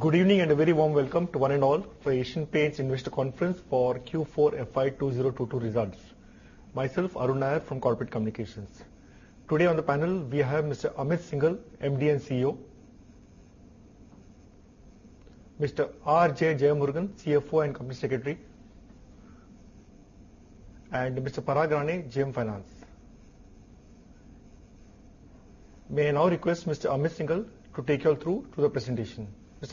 Good evening, and a very warm welcome to one and all for Asian Paints Investor Conference for Q4 FY 2022 results. Myself, Arun Nair from Corporate Communications. Today on the panel we have Mr. Amit Syngle, MD and CEO. Mr. R.J. Jeyamurugan, CFO and Company Secretary. Mr. Parag Rane, GM Finance. May I now request Mr. Amit Syngle to take you all through to the presentation. Mr. Amit Syngle, over to you. A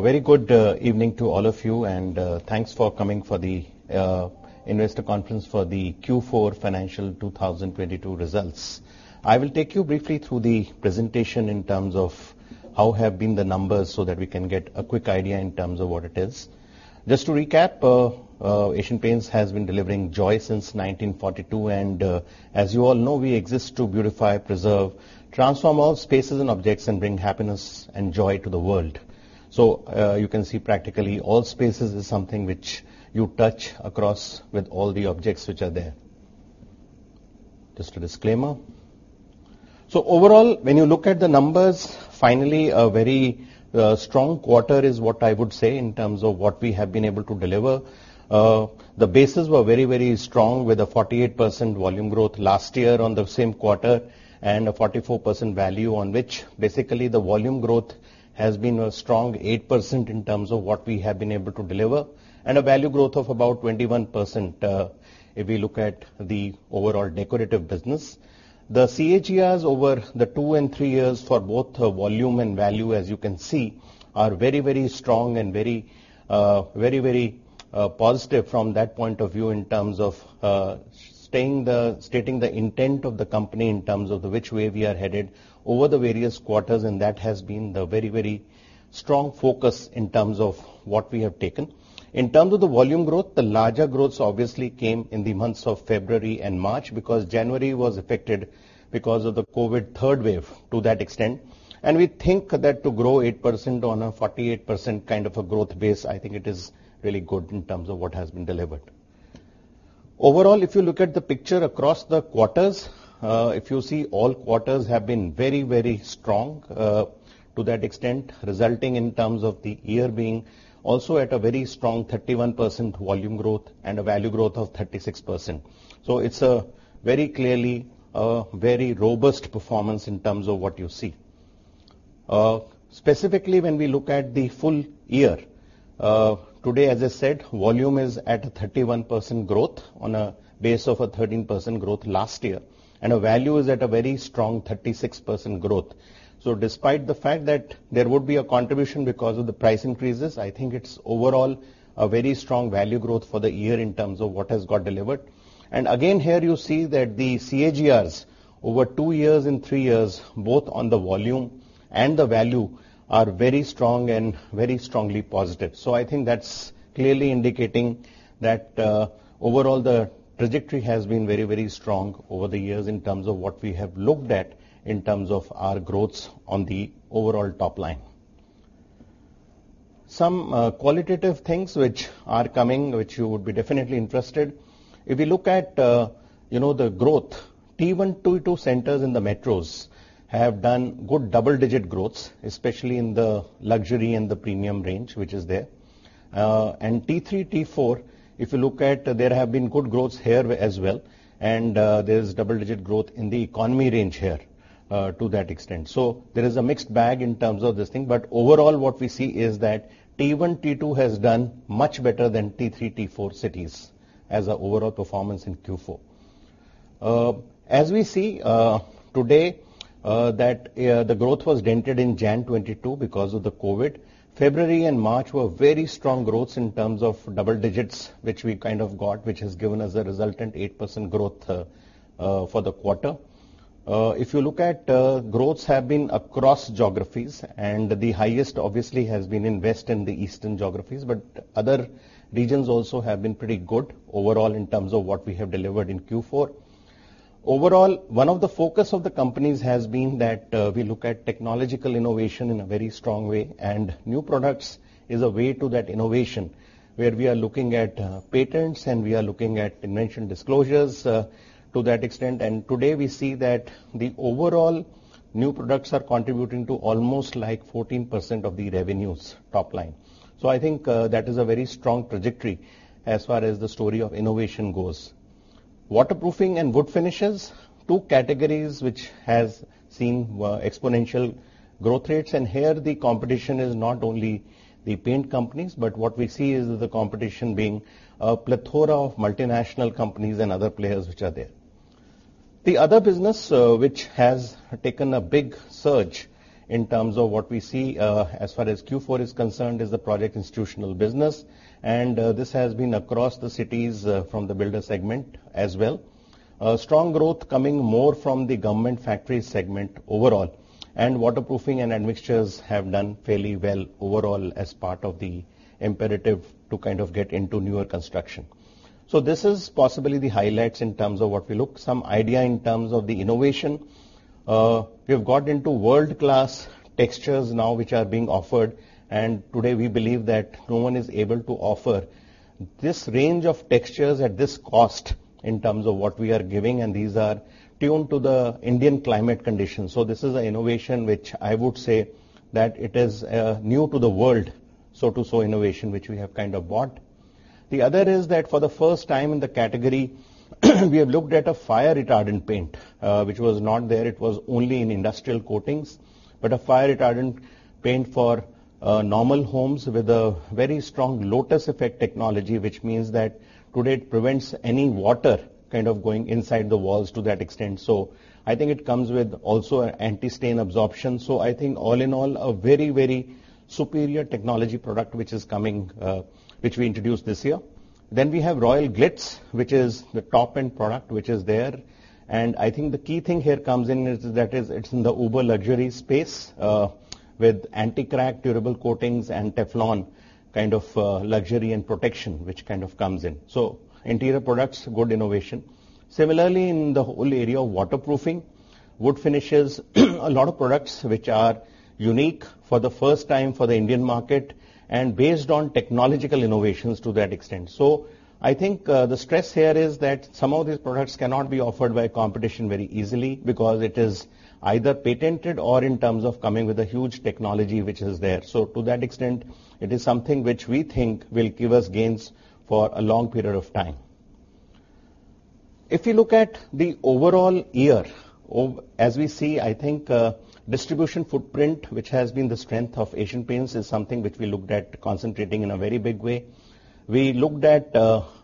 very good evening to all of you, and thanks for coming for the investor conference for the Q4 financial 2022 results. I will take you briefly through the presentation in terms of how have been the numbers, so that we can get a quick idea in terms of what it is. Just to recap, Asian Paints has been delivering joy since 1942, and as you all know, we exist to beautify, preserve, transform all spaces and objects and bring happiness and joy to the world. You can see practically all spaces is something which you touch across with all the objects which are there. Just a disclaimer. Overall, when you look at the numbers, finally a very strong quarter is what I would say in terms of what we have been able to deliver. The bases were very strong with a 48% volume growth last year on the same quarter, and a 44% value on which basically the volume growth has been a strong 8% in terms of what we have been able to deliver, and a value growth of about 21%, if we look at the overall decorative business. The CAGRs over the two and three years for both, volume and value, as you can see, are very strong and very positive from that point of view in terms of stating the intent of the company in terms of the which way we are headed over the various quarters, and that has been the very strong focus in terms of what we have taken. In terms of the volume growth, the larger growths obviously came in the months of February and March, because January was affected because of the COVID third wave to that extent. We think that to grow 8% on a 48% kind of a growth base, I think it is really good in terms of what has been delivered. Overall, if you look at the picture across the quarters, if you see all quarters have been very, very strong, to that extent, resulting in terms of the year being also at a very strong 31% volume growth and a value growth of 36%. It's very clearly a very robust performance in terms of what you see. Specifically when we look at the full year, today, as I said, volume is at a 31% growth on a base of a 13% growth last year, and our value is at a very strong 36% growth. Despite the fact that there would be a contribution because of the price increases, I think it's overall a very strong value growth for the year in terms of what has got delivered. Again, here you see that the CAGRs over two years and three years, both on the volume and the value, are very strong and very strongly positive. I think that's clearly indicating that, overall, the trajectory has been very, very strong over the years in terms of what we have looked at in terms of our growths on the overall top line. Some qualitative things which are coming, which you would be definitely interested. If you look at, you know, the growth, T1, T2 centers in the metros have done good double-digit growths, especially in the luxury and the premium range, which is there. T3, T4, if you look at, there have been good growths here as well, and, there's double-digit growth in the economy range here, to that extent. There is a mixed bag in terms of this thing, but overall what we see is that T1, T2 has done much better than T3, T4 cities as an overall performance in Q4. As we see, today, that, the growth was dented in Jan 2022 because of the COVID. February and March were very strong growths in terms of double digits, which we kind of got, which has given us a resultant 8% growth for the quarter. If you look at, growths have been across geographies, and the highest obviously has been in West and the eastern geographies, but other regions also have been pretty good overall in terms of what we have delivered in Q4. Overall, one of the focus of the companies has been that, we look at technological innovation in a very strong way, and new products is a way to that innovation, where we are looking at, patents and we are looking at invention disclosures, to that extent. Today, we see that the overall new products are contributing to almost, like, 14% of the revenues top line. I think that is a very strong trajectory as far as the story of innovation goes. Waterproofing and wood finishes, two categories which has seen exponential growth rates, and here the competition is not only the paint companies, but what we see is the competition being a plethora of multinational companies and other players which are there. The other business which has taken a big surge in terms of what we see as far as Q4 is concerned is the project institutional business, and this has been across the cities from the builder segment as well. Strong growth coming more from the government factory segment overall, and waterproofing and admixtures have done fairly well overall as part of the imperative to kind of get into newer construction. This is possibly the highlights in terms of what we look. Some idea in terms of the innovation. We have got into world-class textures now which are being offered. Today we believe that no one is able to offer this range of textures at this cost in terms of what we are giving, and these are tuned to the Indian climate conditions. This is an innovation which I would say that it is new to the world, so to so innovation, which we have kind of bought. The other is that for the first time in the category, we have looked at a fire retardant paint, which was not there. It was only in industrial coatings. A fire retardant paint for normal homes with a very strong lotus effect technology, which means that today it prevents any water kind of going inside the walls to that extent. I think it comes with also an anti-stain absorption. I think all in all, a very, very superior technology product which is coming, which we introduced this year. We have Royale Glitz, which is the top-end product, which is there. I think the key thing here comes in is that it's in the uber luxury space, with anti-crack durable coatings and Teflon kind of luxury and protection which kind of comes in. Interior products, good innovation. Similarly, in the whole area of waterproofing, wood finishes, a lot of products which are unique for the first time for the Indian market and based on technological innovations to that extent. I think the stress here is that some of these products cannot be offered by competition very easily because it is either patented or in terms of coming with a huge technology which is there. To that extent, it is something which we think will give us gains for a long period of time. If you look at the overall year, as we see, I think distribution footprint, which has been the strength of Asian Paints, is something which we looked at concentrating in a very big way. We looked at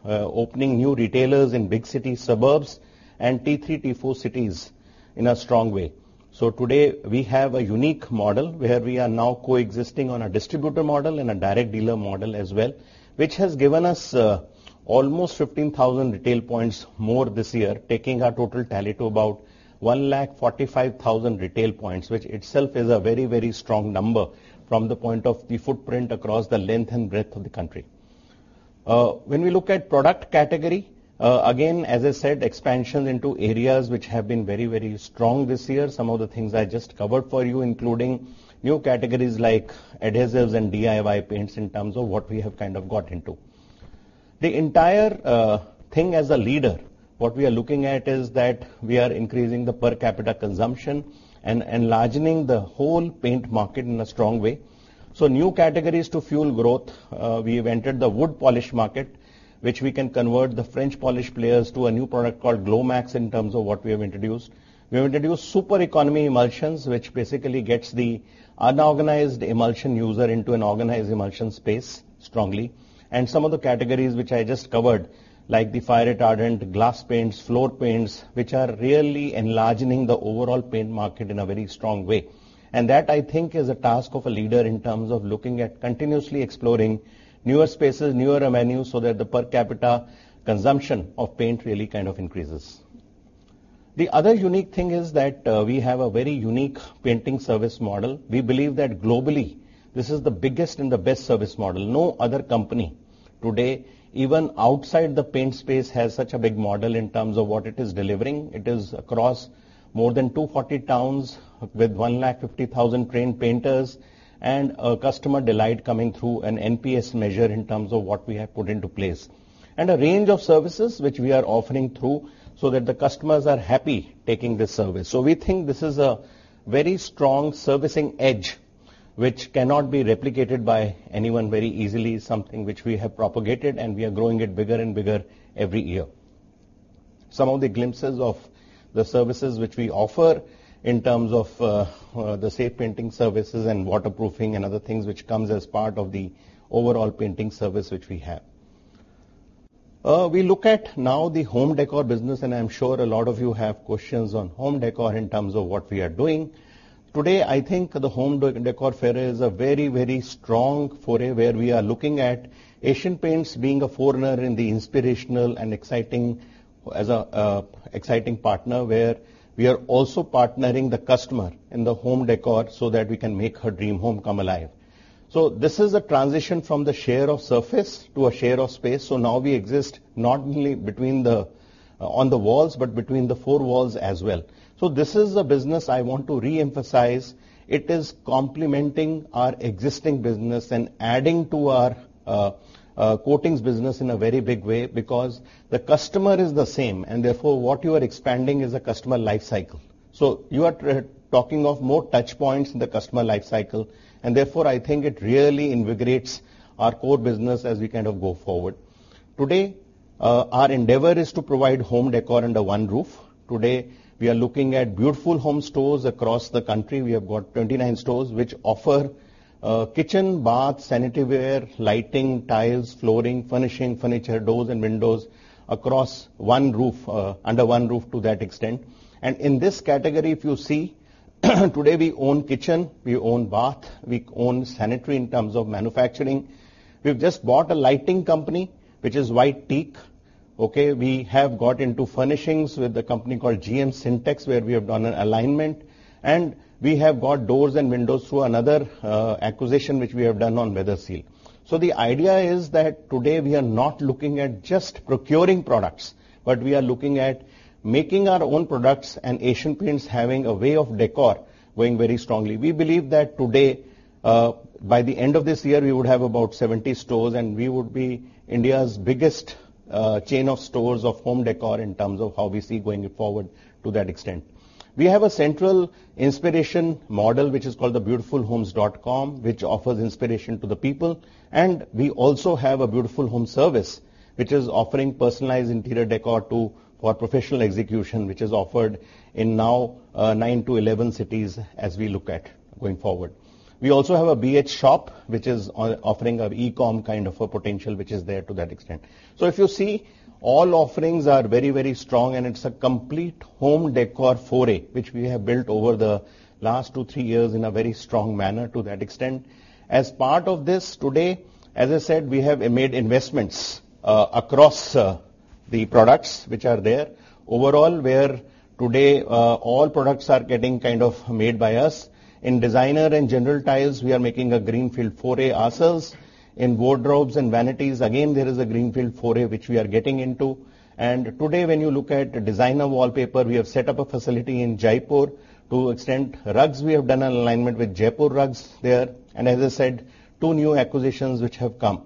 opening new retailers in big city suburbs and T3, T4 cities in a strong way. Today we have a unique model where we are now coexisting on a distributor model and a direct dealer model as well, which has given us almost 15,000 retail points more this year, taking our total tally to about 145,000 retail points, which itself is a very, very strong number frm the point of the footprint across the length and breadth of the country. When we look at product category, again, as I said, expansion into areas which have been very, very strong this year. Some of the things I just covered for you, including new categories like adhesives and DIY paints in terms of what we have kind of got into. The entire thing as a leader, what we are looking at is that we are increasing the per capita consumption and enlarging the whole paint market in a strong way. New categories to fuel growth, we have entered the wood polish market, which we can convert the French polish players to a new product called GloMax in terms of what we have introduced. We have introduced super economy emulsions, which basically gets the unorganized emulsion user into an organized emulsion space strongly. Some of the categories which I just covered, like the fire retardant, glass paints, floor paints, which are really enlarging the overall paint market in a very strong way. That, I think, is a task of a leader in terms of looking at continuously exploring newer spaces, newer avenues, so that the per capita consumption of paint really kind of increases. The other unique thing is that, we have a very unique painting service model. We believe that globally this is the biggest and the best service model. No other company today, even outside the paint space, has such a big model in terms of what it is delivering. It is across more than 240 towns with 150,000 trained painters and a customer delight coming through an NPS measure in terms of what we have put into place. A range of services which we are offering through so that the customers are happy taking this service. We think this is a very strong servicing edge which cannot be replicated by anyone very easily, something which we have propagated, and we are growing it bigger and bigger every year. Some of the glimpses of the services which we offer in terms of the safe painting services and waterproofing and other things which comes as part of the overall painting service which we have. We look at now the home decor business, and I'm sure a lot of you have questions on home decor in terms of what we are doing. Today, I think the home decor fair is a very, very strong foray where we are looking at Asian Paints being a forerunner in the inspirational and exciting, as a exciting partner, where we are also partnering the customer in the home decor so that we can make her dream home come alive. This is a transition from the share of surface to a share of space. Now we exist not only between the, on the walls, but between the four walls as well. This is a business I want to reemphasize. It is complementing our existing business and adding to our coatings business in a very big way because the customer is the same and therefore what you are expanding is a customer life cycle. You are talking of more touch points in the customer life cycle, and therefore I think it really invigorates our core business as we kind of go forward. Today, our endeavor is to provide home decor under one roof. Today, we are looking at Beautiful Homes stores across the country. We have 29 stores which offer kitchen, bath, sanitary ware, lighting, tiles, flooring, furnishing, furniture, doors, and windows across one roof, under one roof to that extent. In this category, if you see, today, we own kitchen, we own bath, we own sanitary in terms of manufacturing. We've just bought a lighting company, which is White Teak. Okay? We have got into furnishings with a company called GM Syntex, where we have done an alignment. We have got doors and windows through another acquisition which we have done on Weatherseal. The idea is that today we are not looking at just procuring products, but we are looking at making our own products and Asian Paints having a way of decor going very strongly. We believe that today, by the end of this year, we would have about 70 stores, and we would be India's biggest chain of stores of home decor in terms of how we see going forward to that extent. We have a central inspiration model, which is called the beautifulhomes.com, which offers inspiration to the people. We also have a Beautiful Homes service, which is offering personalized interior decor for professional execution, which is offered in nine to 11 cities as we look at going forward. We also have a BH Shop, which is offering a e-com kind of a potential, which is there to that extent. If you see, all offerings are very, very strong, and it's a complete home decor foray, which we have built over the last two, three years in a very strong manner to that extent. As part of this today, as I said, we have made investments across the products which are there. Overall, where today, all products are getting kind of made by us. In designer and general tiles, we are making a greenfield foray ourselves. In wardrobes and vanities, again, there is a greenfield foray which we are getting into. Today, when you look at designer wallpaper, we have set up a facility in Jaipur to extend. Rugs, we have done an alignment with Jaipur Rugs there. As I said, two new acquisitions which have come.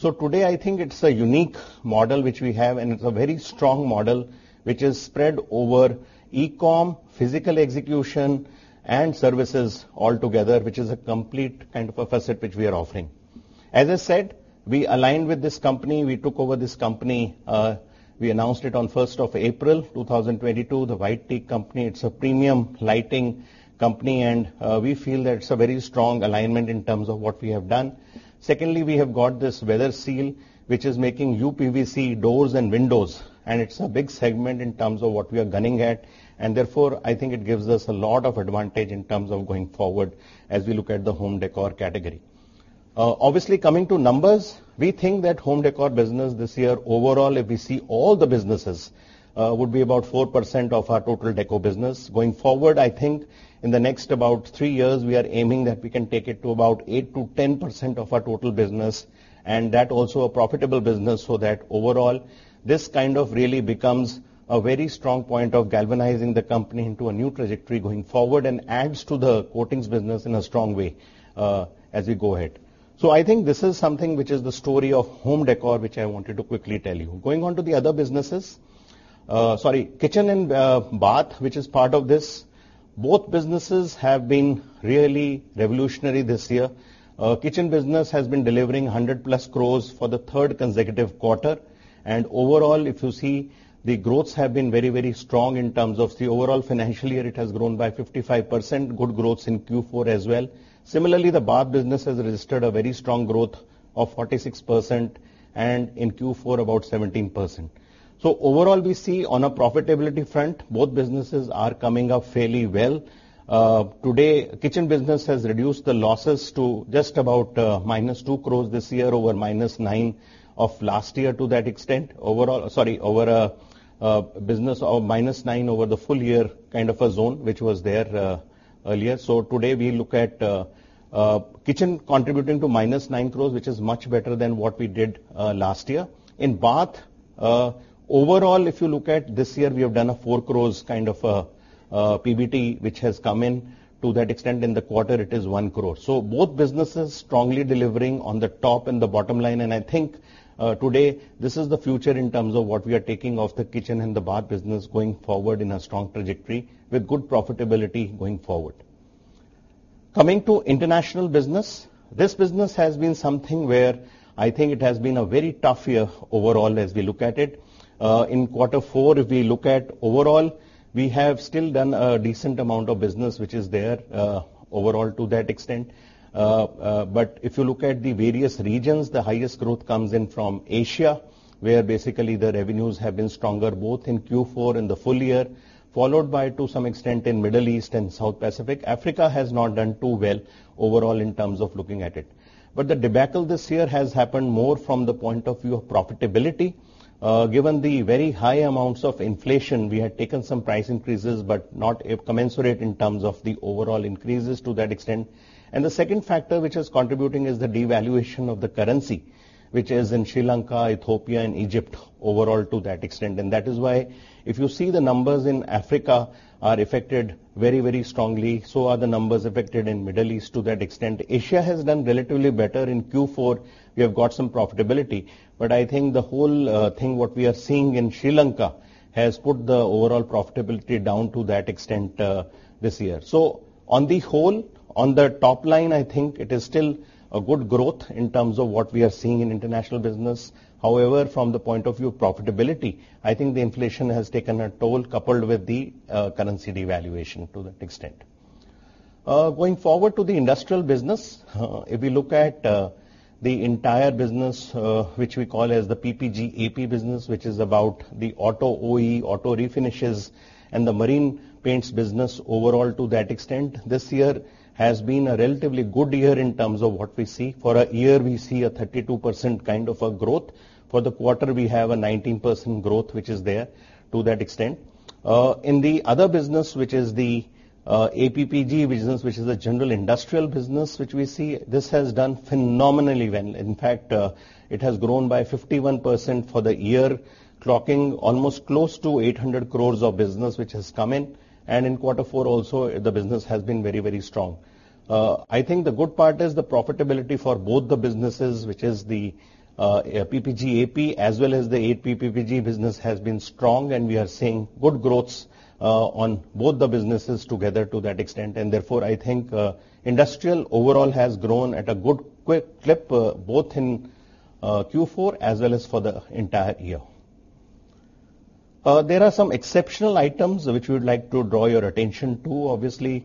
Today, I think it's a unique model which we have, and it's a very strong model which is spread over e-com, physical execution, and services all together, which is a complete kind of a facet which we are offering. As I said, we aligned with this company, we took over this company, we announced it on first of April 2022, the White Teak company. It's a premium lighting company, and, we feel that it's a very strong alignment in terms of what we have done. Secondly, we have got this Weatherseal, which is making uPVC doors and windows, and it's a big segment in terms of what we are gunning at. Therefore, I think it gives us a lot of advantage in terms of going forward as we look at the home décor category. Obviously coming to numbers, we think that home décor business this year overall, if we see all the businesses, would be about 4% of our total deco business. Going forward, I think in the next about three years, we are aiming that we can take it to about 8%-10% of our total business, and that also a profitable business, so that overall, this kind of really becomes a very strong point of galvanizing the company into a new trajectory going forward and adds to the coatings business in a strong way, as we go ahead. I think this is something which is the story of home decor, which I wanted to quickly tell you. Going on to the other businesses. Kitchen and bath, which is part of this. Both businesses have been really revolutionary this year. Kitchen business has been delivering 100+ crores for the third consecutive quarter. Overall, if you see, the growths have been very, very strong in terms of the overall financial year. It has grown by 55%, good growths in Q4 as well. Similarly, the bath business has registered a very strong growth of 46%, and in Q4 about 17%. Overall, we see on a profitability front, both businesses are coming up fairly well. To date, kitchen business has reduced the losses to just about -2 crore this year over -9 of last year to that extent. Overall, over a business of -9 over the full year kind of a zone, which was there earlier. To date, we look at kitchen contributing to -9 crore, which is much better than what we did last year. In bath, overall, if you look at this year, we have done a 4 crore kind of PBT, which has come in to that extent. In the quarter, it is 1 crore. So both businesses strongly delivering on the top and the bottom line. I think, today this is the future in terms of what we are taking of the kitchen and the bath business going forward in a strong trajectory with good profitability going forward. Coming to international business. This business has been something where I think it has been a very tough year overall as we look at it. In quarter four, if we look at overall, we have still done a decent amount of business which is there, overall to that extent. If you look at the various regions, the highest growth comes in from Asia, where basically the revenues have been stronger, both in Q4 and the full year, followed by to some extent in Middle East and South Pacific. Africa has not done too well overall in terms of looking at it. The debacle this year has happened more from the point of view of profitability. Given the very high amounts of inflation, we had taken some price increases, but not commensurate in terms of the overall increases to that extent. The second factor which is contributing is the devaluation of the currency, which is in Sri Lanka, Ethiopia and Egypt overall to that extent. That is why if you see the numbers in Africa are affected very, very strongly, so are the numbers affected in Middle East to that extent. Asia has done relatively better. In Q4, we have got some profitability. I think the whole thing, what we are seeing in Sri Lanka has put the overall profitability down to that extent, this year. On the whole, on the top line, I think it is still a good growth in terms of what we are seeing in international business. However, from the point of view of profitability, I think the inflation has taken a toll coupled with the currency devaluation to that extent. Going forward to the industrial business. If we look at the entire business, which we call as the PPG AP business, which is about the auto OE, auto refinishes, and the marine paints business overall to that extent. This year has been a relatively good year in terms of what we see. For a year, we see a 32% kind of a growth. For the quarter, we have a 19% growth, which is there to that extent. In the other business, which is the APPG business, which is a general industrial business, which we see, this has done phenomenally well. In fact, it has grown by 51% for the year, clocking almost close to 800 crore of business which has come in. In quarter four also, the business has been very, very strong. I think the good part is the profitability for both the businesses, which is the PPG AP as well as the APPG business, has been strong, and we are seeing good growths on both the businesses together to that extent. Therefore, I think industrial overall has grown at a good quick clip, both in Q4 as well as for the entire year. There are some exceptional items which we would like to draw your attention to. Obviously,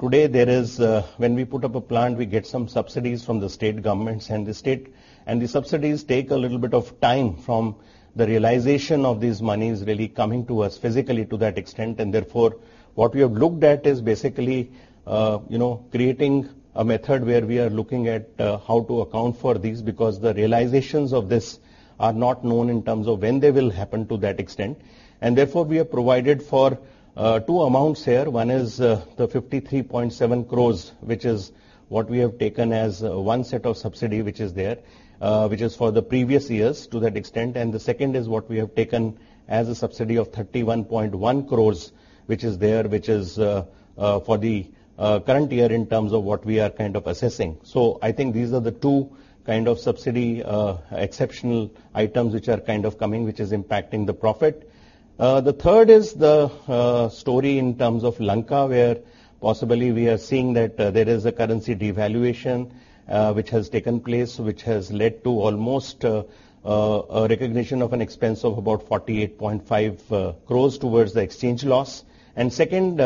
today there is when we put up a plant, we get some subsidies from the state governments and the state. The subsidies take a little bit of time for the realization of these monies really coming to us physically to that extent. Therefore, what we have looked at is basically, you know, creating a method where we are looking at how to account for these, because the realizations of this are not known in terms of when they will happen to that extent. Therefore, we have provided for two amounts here. One is the 53.7 crores, which is what we have taken as one set of subsidy which is for the previous years to that extent. The second is what we have taken as a subsidy of 31.1 crores, which is for the current year in terms of what we are kind of assessing. I think these are the two kind of subsidy exceptional items which are kind of coming, which is impacting the profit. The third is the story in terms of Sri Lanka, where possibly we are seeing that there is a currency devaluation which has taken place, which has led to almost a recognition of an expense of about 48.5 crores towards the exchange loss. Second,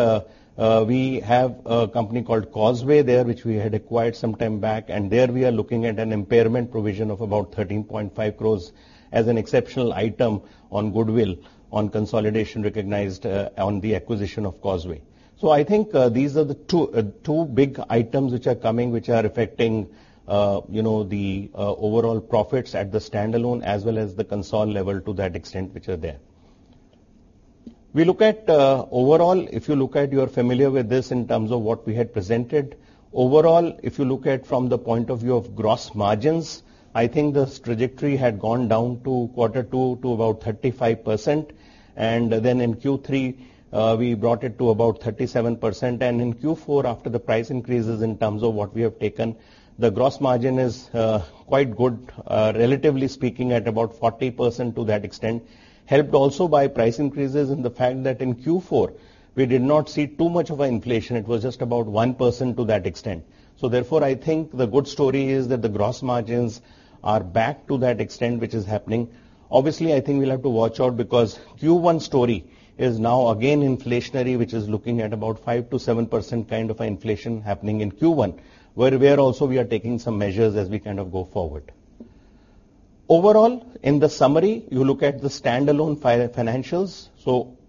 we have a company called Causeway there, which we had acquired some time back, and there we are looking at an impairment provision of about 13.5 crores as an exceptional item on goodwill on consolidation recognized on the acquisition of Causeway. I think these are the two big items which are coming, which are affecting you know the overall profits at the standalone as well as the consolidated level to that extent which are there. We look at overall, if you look at, you're familiar with this in terms of what we had presented. Overall, if you look at from the point of view of gross margins, I think this trajectory had gone down to quarter two to about 35%. Then in Q3, we brought it to about 37%. In Q4, after the price increases in terms of what we have taken, the gross margin is quite good, relatively speaking, at about 40% to that extent, helped also by price increases and the fact that in Q4 we did not see too much of an inflation. It was just about 1% to that extent. Therefore, I think the good story is that the gross margins are back to that extent which is happening. Obviously, I think we'll have to watch out because Q1 story is now again inflationary, which is looking at about 5%-7% kind of inflation happening in Q1, where we are taking some measures as we kind of go forward. Overall, in the summary, you look at the standalone financials.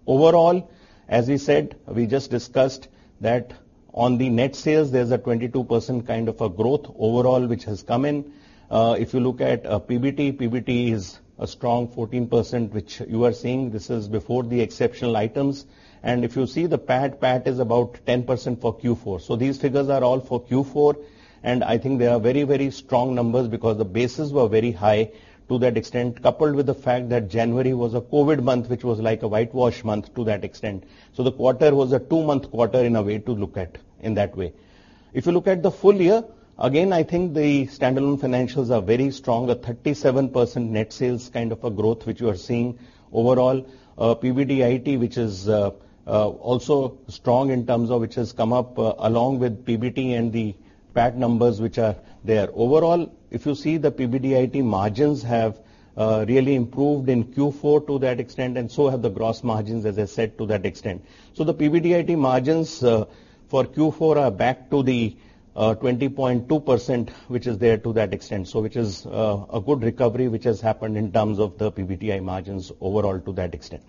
Overall, as we said, we just discussed that on the net sales there's a 22% kind of a growth overall which has come in. If you look at PBT is a strong 14%, which you are seeing. This is before the exceptional items. If you see the PAT is about 10% for Q4. These figures are all for Q4, and I think they are very, very strong numbers because the bases were very high to that extent, coupled with the fact that January was a COVID month, which was like a whitewash month to that extent. The quarter was a two-month quarter in a way to look at in that way. If you look at the full year, again, I think the standalone financials are very strong. A 37% net sales kind of a growth which you are seeing overall. PBDIT, which is, also strong in terms of which has come up along with PBT and the PAT numbers which are there. Overall, if you see the PBDIT margins have really improved in Q4 to that extent, and so have the gross margins, as I said, to that extent. The PBDIT margins for Q4 are back to the 20.2%, which is there to that extent. Which is a good recovery which has happened in terms of the PBDIT margins overall to that extent.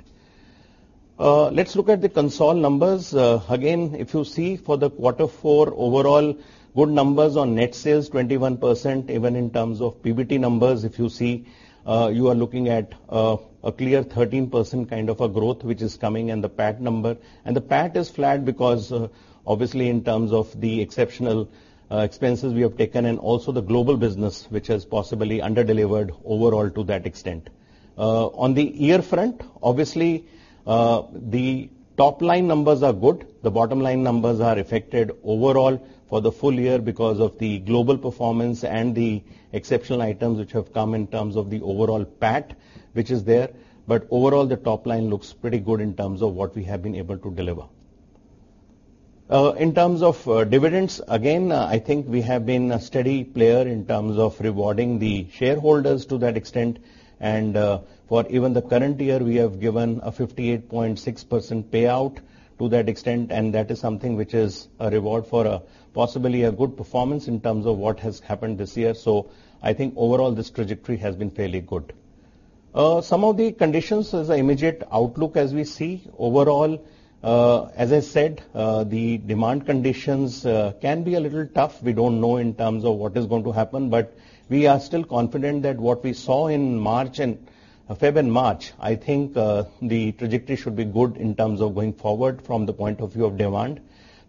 Let's look at the consolidated numbers. Again, if you see for quarter four overall, good numbers on net sales, 21% even in terms of PBT numbers if you see. You are looking at a clear 13% kind of a growth which is coming in the PAT number. The PAT is flat because obviously in terms of the exceptional expenses we have taken and also the global business, which has possibly under-delivered overall to that extent. On the year front, obviously the top line numbers are good. The bottom line numbers are affected overall for the full year because of the global performance and the exceptional items which have come in terms of the overall PAT which is there. Overall, the top line looks pretty good in terms of what we have been able to deliver. In terms of dividends, again I think we have been a steady player in terms of rewarding the shareholders to that extent. For even the current year, we have given a 58.6% payout to that extent, and that is something which is a reward for possibly a good performance in terms of what has happened this year. I think overall this trajectory has been fairly good. Some of the conditions as an immediate outlook as we see. Overall, as I said, the demand conditions can be a little tough. We don't know in terms of what is going to happen, but we are still confident that what we saw in February and March, I think, the trajectory should be good in terms of going forward from the point of view of demand.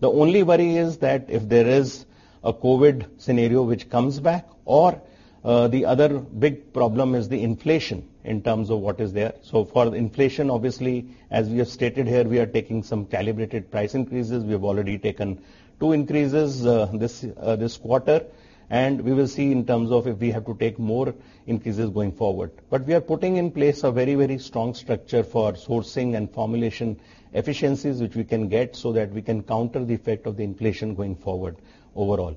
The only worry is that if there is a COVID scenario which comes back or, the other big problem is the inflation in terms of what is there. For inflation, obviously, as we have stated here, we are taking some calibrated price increases. We have already taken two increases, this quarter, and we will see in terms of if we have to take more increases going forward. We are putting in place a very, very strong structure for sourcing and formulation efficiencies which we can get so that we can counter the effect of the inflation going forward overall.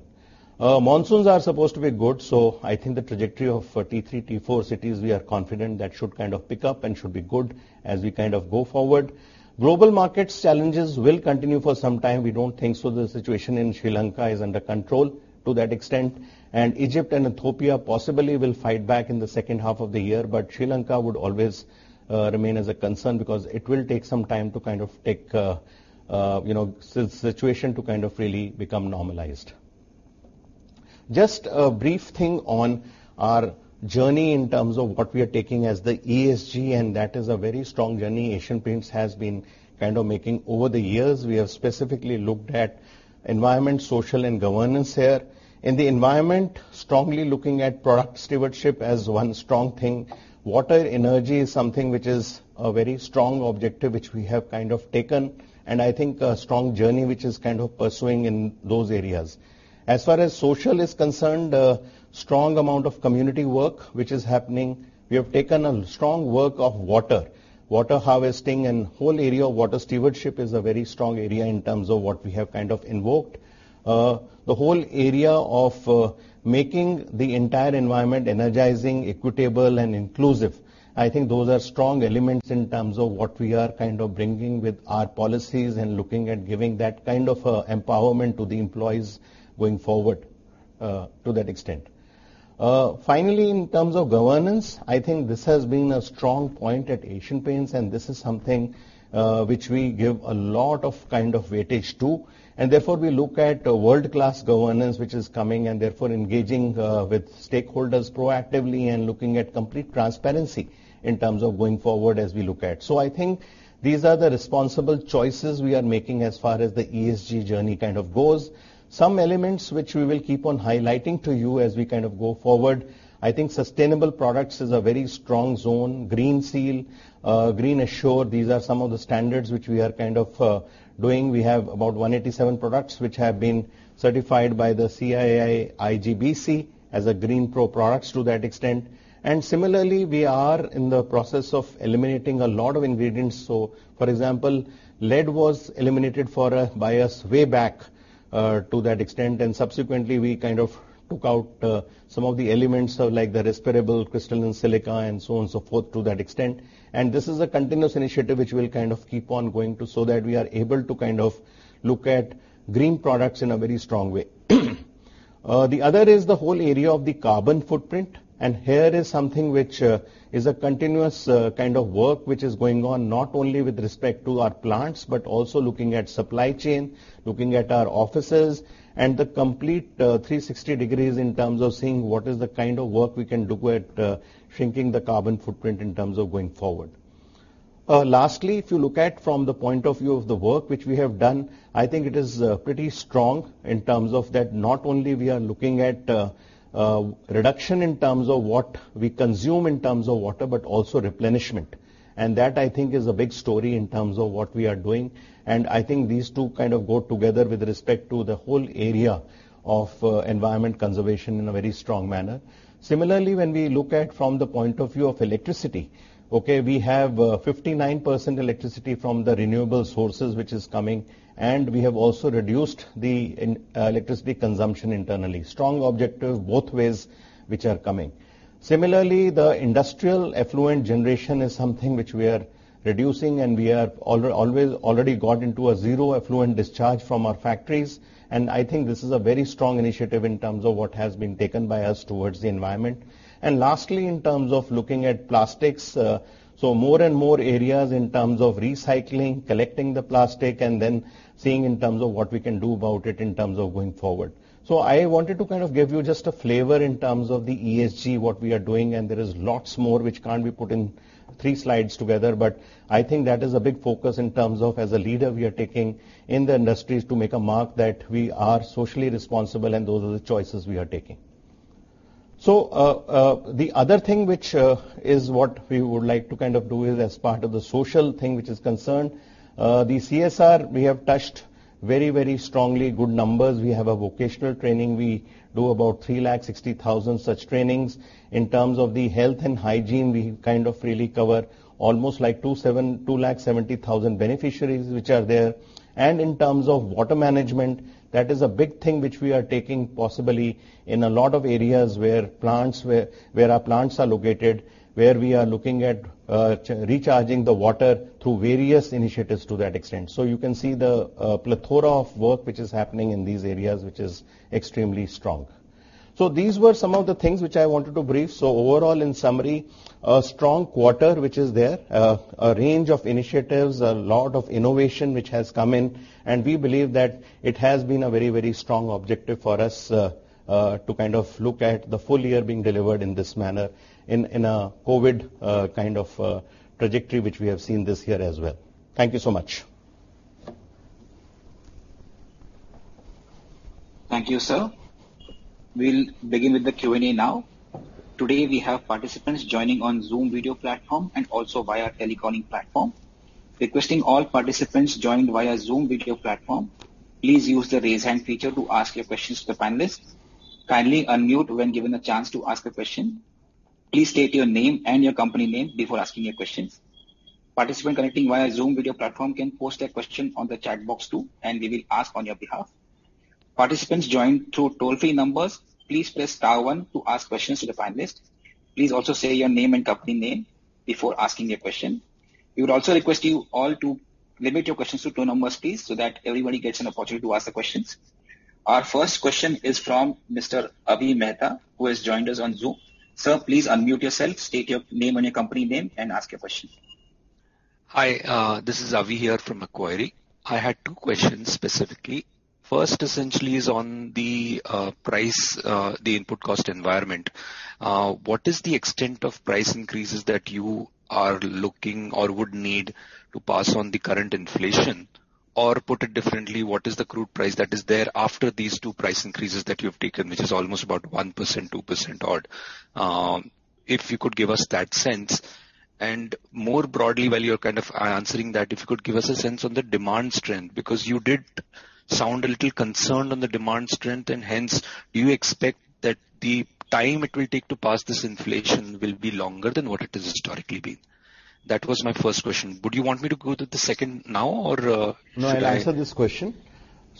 Monsoons are supposed to be good. I think the trajectory of T3, T4 cities, we are confident that should kind of pick up and should be good as we kind of go forward. Global markets challenges will continue for some time. We don't think so. The situation in Sri Lanka is under control to that extent, and Egypt and Ethiopia possibly will fight back in the second half of the year. Sri Lanka would always remain as a concern because it will take some time, you know, the situation to kind of really become normalized. Just a brief thing on our journey in terms of what we are taking as the ESG, and that is a very strong journey Asian Paints has been kind of making. Over the years, we have specifically looked at environment, social, and governance here. In the environment, strongly looking at product stewardship as one strong thing. Water, energy is something which is a very strong objective, which we have kind of taken, and I think a strong journey which is kind of pursuing in those areas. As far as social is concerned, a strong amount of community work which is happening. We have taken a strong work on water. Water harvesting and whole area of water stewardship is a very strong area in terms of what we have kind of invoked. The whole area of making the entire environment energizing, equitable and inclusive, I think those are strong elements in terms of what we are kind of bringing with our policies and looking at giving that kind of empowerment to the employees going forward, to that extent. Finally, in terms of governance, I think this has been a strong point at Asian Paints, and this is something which we give a lot of kind of weight age to. Therefore, we look at a world-class governance which is coming and therefore engaging with stakeholders proactively and looking at complete transparency in terms of going forward as we look at. I think these are the responsible choices we are making as far as the ESG journey kind of goes. Some elements which we will keep on highlighting to you as we kind of go forward. I think sustainable products is a very strong zone. Green Seal, Green Assure, these are some of the standards which we are kind of doing. We have about 187 products which have been certified by the CII IGBC as GreenPro products to that extent. Similarly, we are in the process of eliminating a lot of ingredients. For example, lead was eliminated for obvious reasons way back, to that extent and subsequently, we kind of took out some of the elements like the respirable crystalline silica and so on and so forth to that extent. This is a continuous initiative which we'll kind of keep on going to so that we are able to kind of look at green products in a very strong way. The other is the whole area of the carbon footprint, and here is something which is a continuous kind of work which is going on, not only with respect to our plants, but also looking at supply chain, looking at our offices, and the complete 360 degrees in terms of seeing what is the kind of work we can do at shrinking the carbon footprint in terms of going forward. Last, if you look at from the point of view of the work which we have done, I think it is pretty strong in terms of that not only we are looking at reduction in terms of what we consume in terms of water, but also replenishment. That I think is a big story in terms of what we are doing. I think these two kind of go together with respect to the whole area of environment conservation in a very strong manner. Similarly, when we look at from the point of view of electricity. Okay, we have 59% electricity from the renewable sources which is coming, and we have also reduced the electricity consumption internally. Strong objective both ways which are coming. Similarly, the industrial effluent generation is something which we are reducing, and we are already got into a zero effluent discharge from our factories. I think this is a very strong initiative in terms of what has been taken by us towards the environment. Lastly, in terms of looking at plastics, more and more areas in terms of recycling, collecting the plastic, and then seeing in terms of what we can do about it in terms of going forward. I wanted to kind of give you just a flavor in terms of the ESG, what we are doing, and there is lots more which can't be put in three slides together. I think that is a big focus in terms of as a leader we are taking in the industries to make a mark that we are socially responsible, and those are the choices we are taking. The other thing which is what we would like to kind of do is as part of the social thing which is concerned. The CSR, we have touched very, very strongly good numbers. We have a vocational training. We do about 360,000 such trainings. In terms of the health and hygiene, we kind of really cover almost like 270,000 beneficiaries which are there. In terms of water management, that is a big thing which we are taking possibly in a lot of areas where our plants are located, where we are looking at recharging the water through various initiatives to that extent. You can see the plethora of work which is happening in these areas, which is extremely strong. These were some of the things which I wanted to brief. Overall, in summary, a strong quarter, which is there. A range of initiatives, a lot of innovation which has come in, and we believe that it has been a very, very strong objective for us to kind of look at the full year being delivered in this manner in a COVID kind of trajectory, which we have seen this year as well. Thank you so much. Thank you, sir. We'll begin with the Q&A now. Today, we have participants joining on Zoom video platform and also via teleconferencing platform. Requesting all participants joined via Zoom video platform, please use the raise hand feature to ask your questions to the panelists. Kindly unmute when given a chance to ask a question. Please state your name and your company name before asking your questions. Participant connecting via Zoom video platform can post their question on the chat box too, and we will ask on your behalf. Participants joined through toll-free numbers, please press star one to ask questions to the panelists. Please also say your name and company name before asking your question. We would also request you all to limit your questions to two minutes please, so that everybody gets an opportunity to ask their questions. Our first question is from Mr. Avi Mehta, who has joined us on Zoom. Sir, please unmute yourself, state your name and your company name, and ask your question. Hi, this is Avi here from Equity. I had two questions specifically. First, essentially is on the price, the input cost environment. What is the extent of price increases that you are looking or would need to pass on the current inflation? Or put it differently, what is the crude price that is there after these two price increases that you've taken, which is almost about 1%, 2% odd? If you could give us that sense. More broadly, while you're kind of answering that, if you could give us a sense on the demand strength, because you did sound a little concerned on the demand strength, and hence, do you expect that the time it will take to pass this inflation will be longer than what it has historically been? That was my first question. Would you want me to go to the second now or should I? No, I'll answer this question.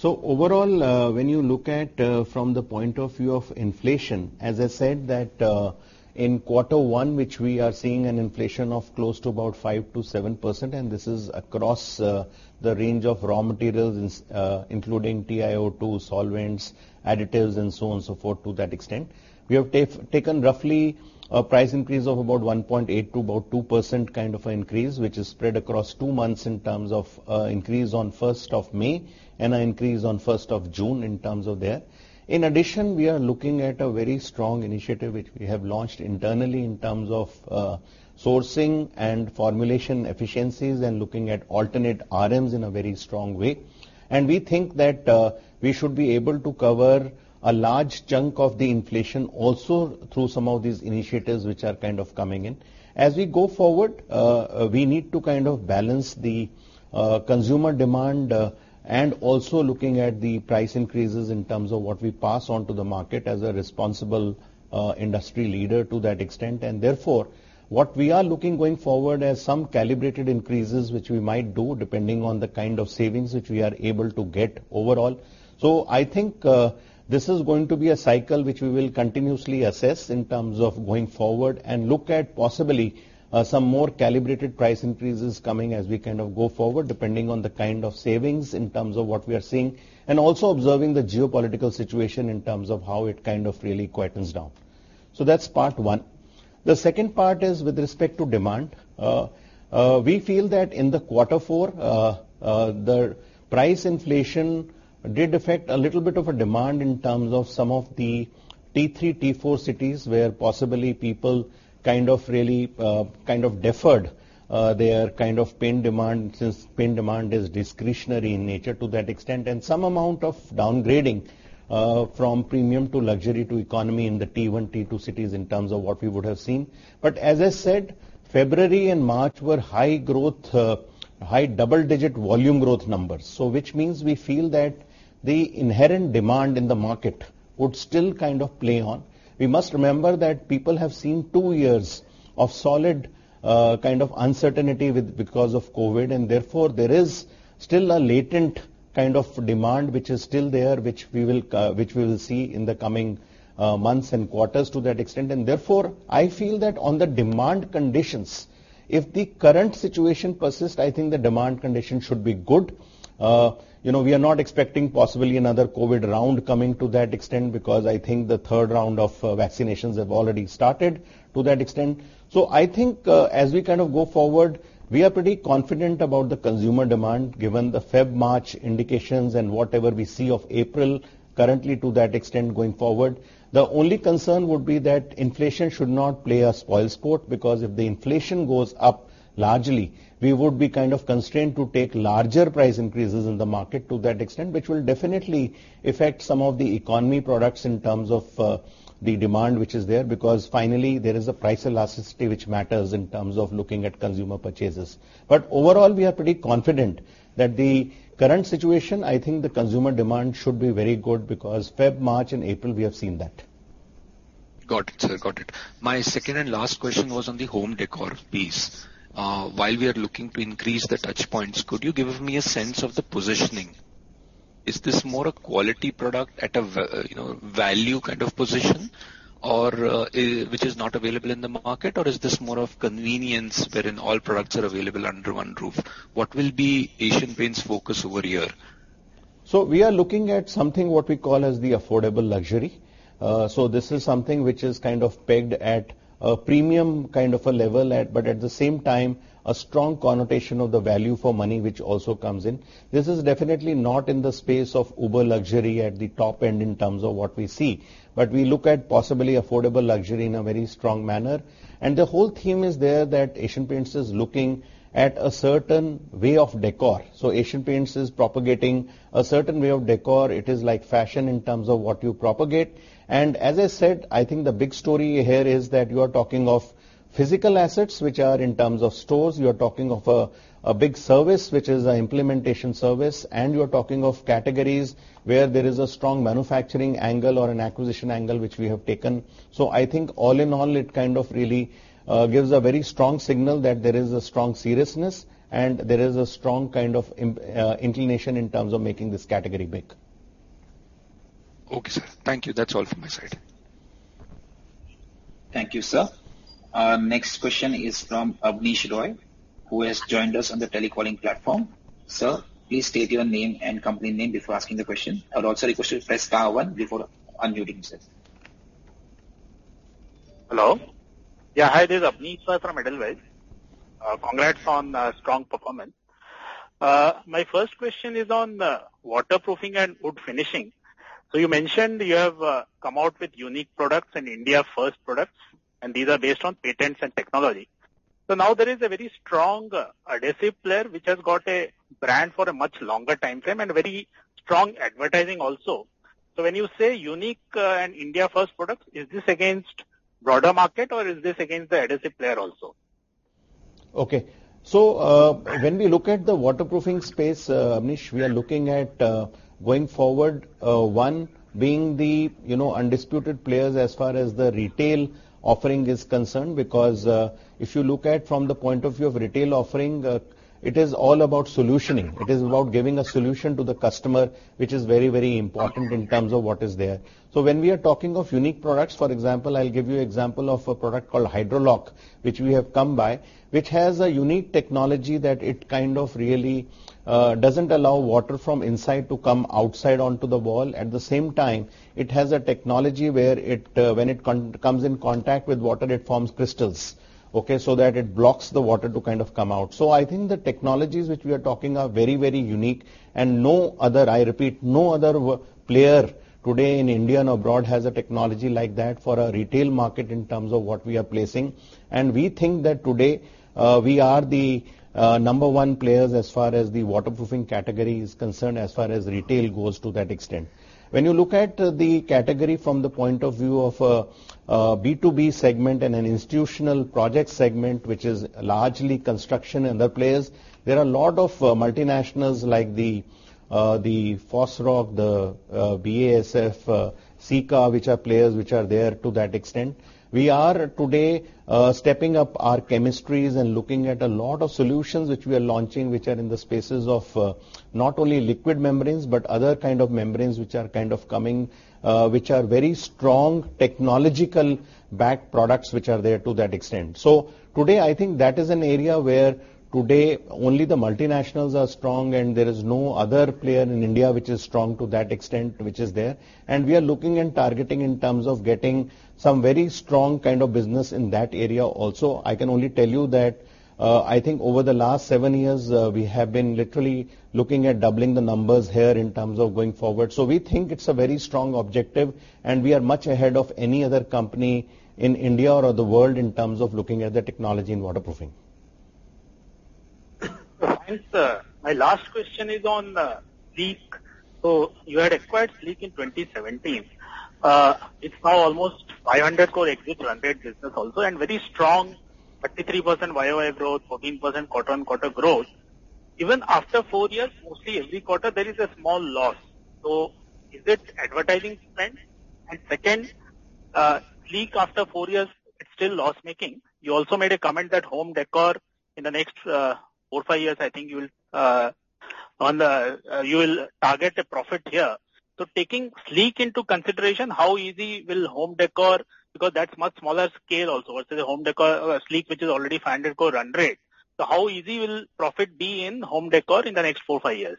Overall, when you look at from the point of view of inflation, as I said that in quarter one, which we are seeing an inflation of close to about 5%-7%, and this is across the range of raw materials, including TiO2, solvents, additives, and so on and so forth, to that extent. We have taken roughly a price increase of about 1.8%-2% kind of an increase, which is spread across two months in terms of increase on first of May and an increase on first of June in terms of there. In addition, we are looking at a very strong initiative which we have launched internally in terms of sourcing and formulation efficiencies and looking at alternate RMs in a very strong way. We think that we should be able to cover a large chunk of the inflation also through some of these initiatives which are kind of coming in. As we go forward, we need to kind of balance the consumer demand, and also looking at the price increases in terms of what we pass on to the market as a responsible industry leader to that extent. Therefore, what we are looking going forward as some calibrated increases, which we might do depending on the kind of savings which we are able to get overall. I think, this is going to be a cycle which we will continuously assess in terms of going forward and look at possibly, some more calibrated price increases coming as we kind of go forward, depending on the kind of savings in terms of what we are seeing, and also observing the geopolitical situation in terms of how it kind of really quietens down. That's part one. The second part is with respect to demand. We feel that in the quarter four, the price inflation did affect a little bit of a demand in terms of some of the T3, T4 cities, where possibly people kind of really, kind of deferred, their kind of paint demand, since paint demand is discretionary in nature to that extent, and some amount of downgrading, from premium to luxury to economy in the T1, T2 cities in terms of what we would have seen. But as I said, February and March were high growth, high double-digit volume growth numbers. Which means we feel that the inherent demand in the market would still kind of play on. We must remember that people have seen two years of solid kind of uncertainty because of COVID, and therefore there is still a latent kind of demand which is still there, which we will see in the coming months and quarters to that extent. I feel that on the demand conditions, if the current situation persists, I think the demand condition should be good. You know, we are not expecting possibly another COVID round coming to that extent because I think the third round of vaccinations have already started to that extent. I think as we kind of go forward, we are pretty confident about the consumer demand, given the Feb-March indications and whatever we see of April currently to that extent going forward. The only concern would be that inflation should not play a spoilsport because if the inflation goes up largely, we would be kind of constrained to take larger price increases in the market to that extent, which will definitely affect some of the economy products in terms of the demand which is there, because finally there is a price elasticity which matters in terms of looking at consumer purchases. Overall, we are pretty confident that the current situation, I think the consumer demand should be very good because February, March and April, we have seen that. Got it, sir. Got it. My second and last question was on the home decor piece. While we are looking to increase the touch points, could you give me a sense of the positioning? Is this more a quality product at a, you know, value kind of position or, which is not available in the market? Or is this more of convenience wherein all products are available under one roof? What will be Asian Paints' focus over here? We are looking at something what we call as the affordable luxury. This is something which is kind of pegged at a premium kind of a level at, but at the same time, a strong connotation of the value for money which also comes in. This is definitely not in the space of uber luxury at the top end in terms of what we see, but we look at possibly affordable luxury in a very strong manner. The whole theme is there that Asian Paints is looking at a certain way of decor. Asian Paints is propagating a certain way of decor. It is like fashion in terms of what you propagate. As I said, I think the big story here is that you are talking of physical assets which are in terms of stores. You are talking of a big service, which is a implementation service, and you are talking of categories where there is a strong manufacturing angle or an acquisition angle which we have taken. I think all in all, it kind of really gives a very strong signal that there is a strong seriousness and there is a strong kind of inclination in terms of making this category big. Okay, sir. Thank you. That's all from my side. Thank you, sir. Our next question is from Abneesh Roy, who has joined us on the teleconferencing platform. Sir, please state your name and company name before asking the question. I would also request you to press star one before unmuting yourself. Hello. Yeah. Hi, this is Abneesh Roy from Edelweiss. Congrats on strong performance. My first question is on waterproofing and wood finishing. You mentioned you have come out with unique products and India first products, and these are based on patents and technology. Now there is a very strong adhesive player which has got a brand for a much longer timeframe and very strong advertising also. When you say unique and India first products, is this against broader market or is this against the adhesive player also? Okay. When we look at the waterproofing space, Abneesh, we are looking at, going forward, one being the, you know, undisputed players as far as the retail offering is concerned, because, if you look at from the point of view of retail offering, it is all about solutioning. It is about giving a solution to the customer, which is very, very important in terms of what is there. When we are talking of unique products, for example, I'll give you example of a product called Hydroloc, which we have come by, which has a unique technology that it kind of really doesn't allow water from inside to come outside onto the wall. At the same time, it has a technology where it, when it comes in contact with water, it forms crystals, okay? That it blocks the water to kind of come out. I think the technologies which we are talking are very, very unique and no other, I repeat, no other player today in India and abroad has a technology like that for a retail market in terms of what we are placing. We think that today, we are the number one players as far as the waterproofing category is concerned, as far as retail goes to that extent. When you look at the category from the point of view of a B2B segment and an institutional project segment, which is largely construction and the players, there are a lot of multinationals like the Fosroc, the BASF, Sika, which are players which are there to that extent. We are today stepping up our chemistries and looking at a lot of solutions which we are launching, which are in the spaces of not only liquid membranes, but other kind of membranes which are kind of coming, which are very strong technological backed products which are there to that extent. Today, I think that is an area where today only the multinationals are strong and there is no other player in India which is strong to that extent which is there. We are looking and targeting in terms of getting some very strong kind of business in that area also. I can only tell you that I think over the last seven years we have been literally looking at doubling the numbers here in ter\ms of going forward. We think it's a very strong objective, and we are much ahead of any other company in India or the world in terms of looking at the technology in waterproofing. Thanks, sir. My last question is on Sleek. You had acquired Sleek in 2017. It's now almost 500 crore run rate business also and very strong 33% YOY growth, 14% quarter-on-quarter growth. Even after four years, mostly every quarter, there is a small loss. Is it advertising spend? Second, Sleek after four years is still loss-making. You also made a comment that home decor in the next four, five years, I think you will target a profit here. Taking Sleek into consideration, how easy will home decor be, because that's much smaller scale also versus home decor Sleek, which is already 500 crore run rate. How easy will profit be in home decor in the next four, five years?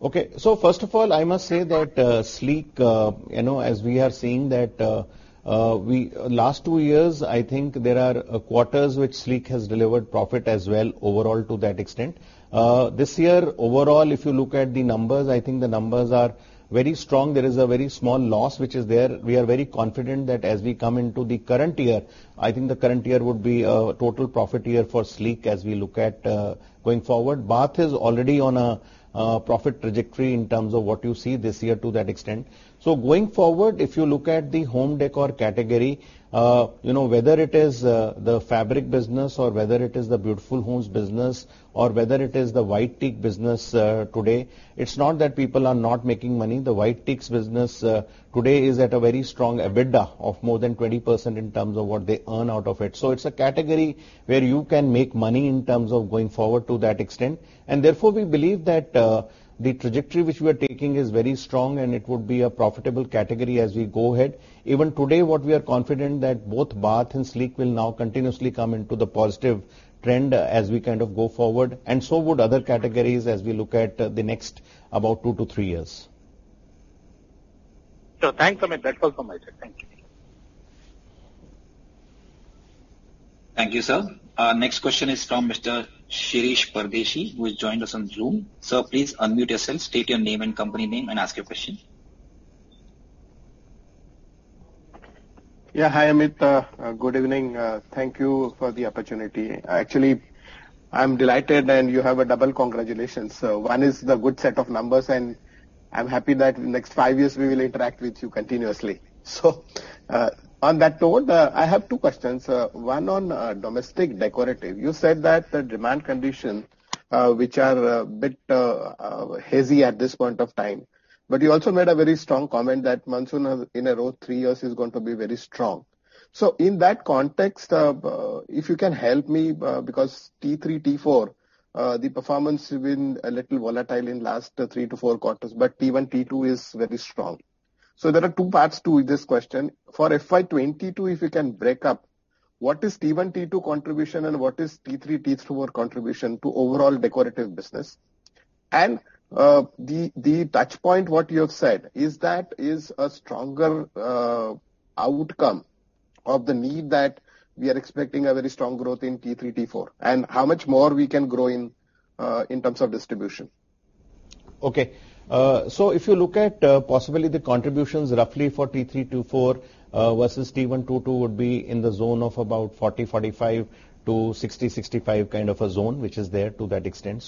Okay. First of all, I must say that, Sleek, you know, as we are seeing that, Last two years, I think there are quarters which Sleek has delivered profit as well overall to that extent. This year overall, if you look at the numbers, I think the numbers are very strong. There is a very small loss which is there. We are very confident that as we come into the current year, I think the current year would be a total profit year for Sleek as we look at, going forward. BH is already on a profit trajectory in terms of what you see this year to that extent. Going forward, if you look at the home decor category, you know, whether it is the fabric business or whether it is the Beautiful Homes business or whether it is the White Teak business, today, it's not that people are not making money. The White Teak's business, today is at a very strong EBITDA of more than 20% in terms of what they earn out of it. It's a category where you can make money in terms of going forward to that extent. Therefore, we believe that the trajectory which we are taking is very strong, and it would be a profitable category as we go ahead. Even today, what we are confident that both BH and Sleek will now continuously come into the positive trend as we kind of go forward, and so would other categories as we look at the next about two-three years. Thanks, Amit. That's all from my side. Thank you. Thank you, sir. Our next question is from Mr. Shirish Pardeshi, who has joined us on Zoom. Sir, please unmute yourself, state your name and company name, and ask your question. Yeah. Hi, Amit. Good evening. Thank you for the opportunity. Actually, I'm delighted, and you have a double congratulations. One is the good set of numbers, and I'm happy that in the next five years we will interact with you continuously. On that note, I have two questions, one on domestic decorative. You said that the demand condition which are a bit hazy at this point of time, but you also made a very strong comment that monsoon in a row three years is going to be very strong. In that context, if you can help me, because T3, T4 the performance has been a little volatile in last three to four quarters, but T1, T2 is very strong. There are two parts to this question. For FY 2022, if you can break up what is T1, T2 contribution and what is T3, T4 contribution to overall decorative business. The touch point, what you have said, is that a stronger outcome than we need that we are expecting a very strong growth in T3, T4? How much more we can grow in terms of distribution? Okay. If you look at possibly the contributions roughly for T3, T4 versus T1, T2 would be in the zone of about 40%-45% to 60%-65% kind of a zone, which is there to that extent.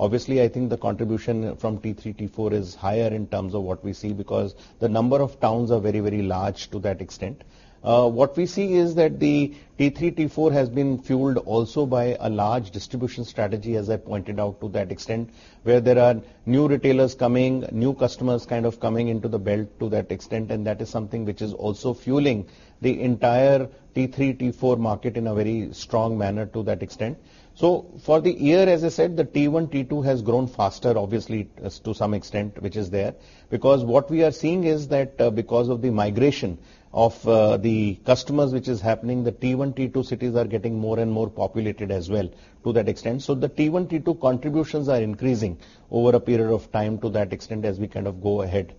Obviously, I think the contribution from T3, T4 is higher in terms of what we see because the number of towns are very, very large to that extent. What we see is that the T3, T4 has been fueled also by a large distribution strategy, as I pointed out to that extent, where there are new retailers coming, new customers kind of coming into the belt to that extent, and that is something which is also fueling the entire T3, T4 market in a very strong manner to that extent. For the year, as I said, the T1, T2 has grown faster, obviously, to some extent, which is there. Because what we are seeing is that because of the migration of the customers which is happening, the T1, T2 cities are getting more and more populated as well to that extent. The T1, T2 contributions are increasing over a period of time to that extent as we kind of go ahead.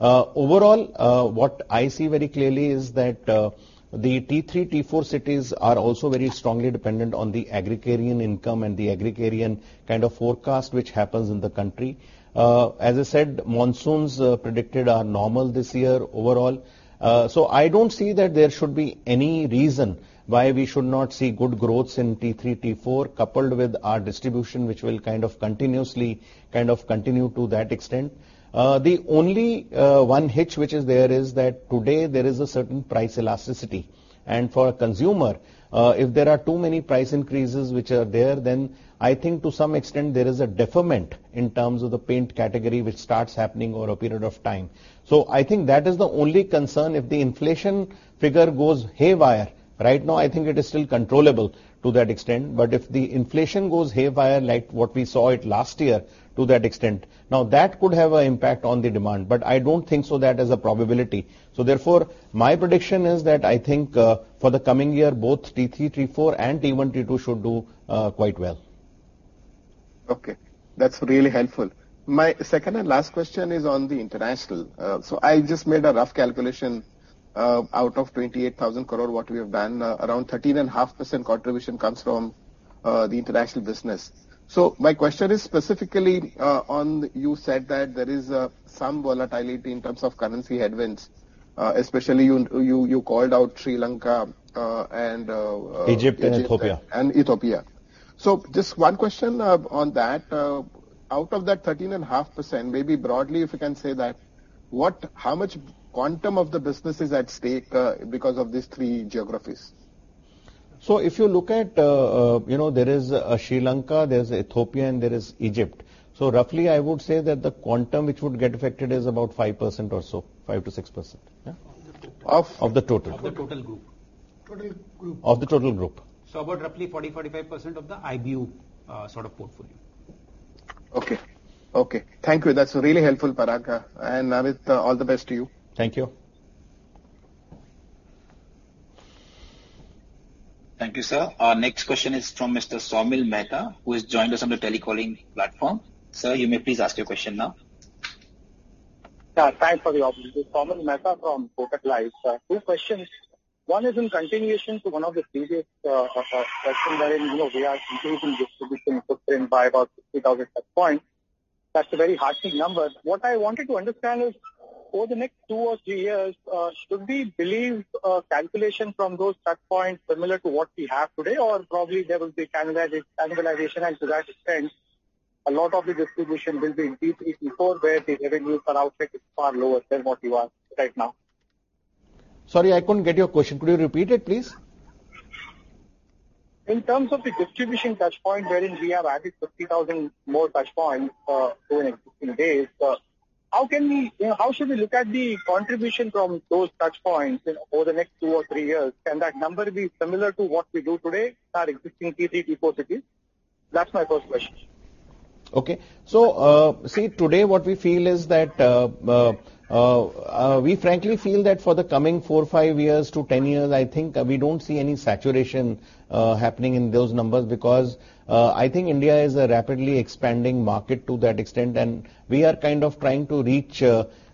Overall, what I see very clearly is that the T3, T4 cities are also very strongly dependent on the agrarian income and the agrarian kind of forecast which happens in the country. As I said, monsoons predicted are normal this year overall. I don't see that there should be any reason why we should not see good growths in T3, T4, coupled with our distribution, which will kind of continue to that extent. The only one hitch which is there is that today there is a certain price elasticity. For a consumer, if there are too many price increases which are there, then I think to some extent there is a deferment in terms of the paint category which starts happening over a period of time. I think that is the only concern if the inflation figure goes haywire. Right now, I think it is still controllable to that extent. If the inflation goes haywire like what we saw it last year to that extent, now that could have an impact on the demand. I don't think so that as a probability. Therefore, my prediction is that I think, for the coming year, both T3, T4 and T1, T2 should do, quite well. Okay. That's really helpful. My second and last question is on the international. I just made a rough calculation out of 28,000 crore, what we have done, around 13.5% contribution comes from the international business. My question is specifically on you said that there is some volatility in terms of currency headwinds, especially you called out Sri Lanka, and Egypt and Ethiopia. Egypt and Ethiopia. Just one question, on that. Out of that 13.5%, maybe broadly, if you can say that how much quantum of the business is at stake, because of these three geographies? If you look at, there is Sri Lanka, there's Ethiopia, and there is Egypt. Roughly, I would say that the quantum which would get affected is about 5% or so. 5%-6%, yeah. Of the total. Of the total. Of the total group. Total group. Of the total group. About roughly 40-45% of the IBU sort of portfolio. Okay. Okay. Thank you. That's really helpful, Parag. Amit, all the best to you. Thank you. Thank you, sir. Our next question is from Mr. Saumil Mehta, who has joined us on the teleconferencing platform. Sir, you may please ask your question now. Yeah, thanks for the opportunity. Saumil Mehta from Kotak Life. Two questions. One is in continuation to one of the previous question wherein, you know, we are increasing distribution footprint by about 60,000 touchpoints. That's a very heartening number. What I wanted to understand is, over the next two or three years, should we believe calculation from those touchpoints similar to what we have today? Or probably there will be cannibalization, and to that extent, a lot of the distribution will be in T3, T4, where the revenue per outlet is far lower than what you have right now. Sorry, I couldn't get your question. Could you repeat it, please? In terms of the distribution touchpoint wherein we have added 50,000 more touchpoints over next 15 days, you know, how should we look at the contribution from those touchpoints in over the next two or three years? Can that number be similar to what we do today for existing T3, T4 cities? That's my first question. Okay. See today what we feel is that we frankly feel that for the coming four-five years to 10 years, I think we don't see any saturation happening in those numbers because I think India is a rapidly expanding market to that extent. We are kind of trying to reach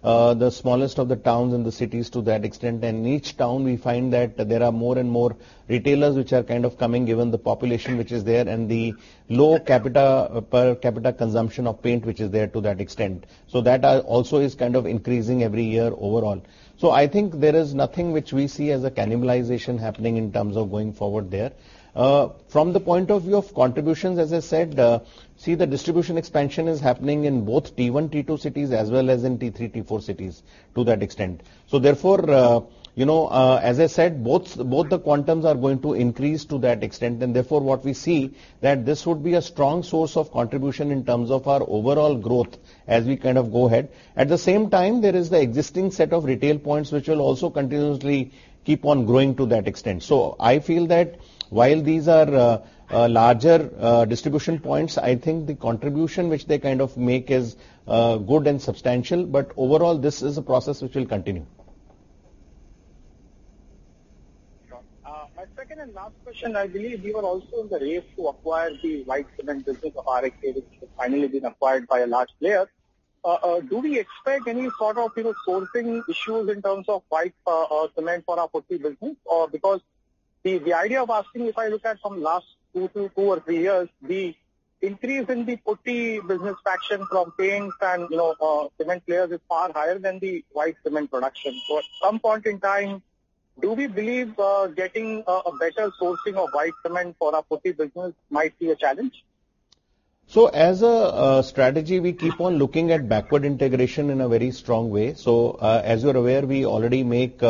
the smallest of the towns and the cities to that extent. In each town we find that there are more and more retailers which are kind of coming, given the population which is there and the low per capita consumption of paint which is there to that extent. That also is kind of increasing every year overall. I think there is nothing which we see as a cannibalization happening in terms of going forward there. From the point of view of contributions, as I said, see the distribution expansion is happening in both T1, T2 cities as well as in T3, T4 cities to that extent. Therefore, you know, as I said, both the quantums are going to increase to that extent. Therefore, what we see that this would be a strong source of contribution in terms of our overall growth as we kind of go ahead. At the same time, there is the existing set of retail points which will also continuously keep on growing to that extent. I feel that while these are larger distribution points, I think the contribution which they kind of make is good and substantial. Overall this is a process which will continue. Sure. My second and last question. I believe you are also in the race to acquire the whitcement business of RXA, which has finally been acquired by a large player. Do we expect any sort of, you know, sourcing issues in terms of white cement for our putty business? Or, because the idea of asking, if I look at from last two or three years, the increase in the putty business fraction from paints and, you know, cement players is far higher than the white cement production. At some point in time, do we believe getting a better sourcing of white cement for our putty business might be a challenge? As a strategy, we keep on looking at backward integration in a very strong way. As you're aware, we already make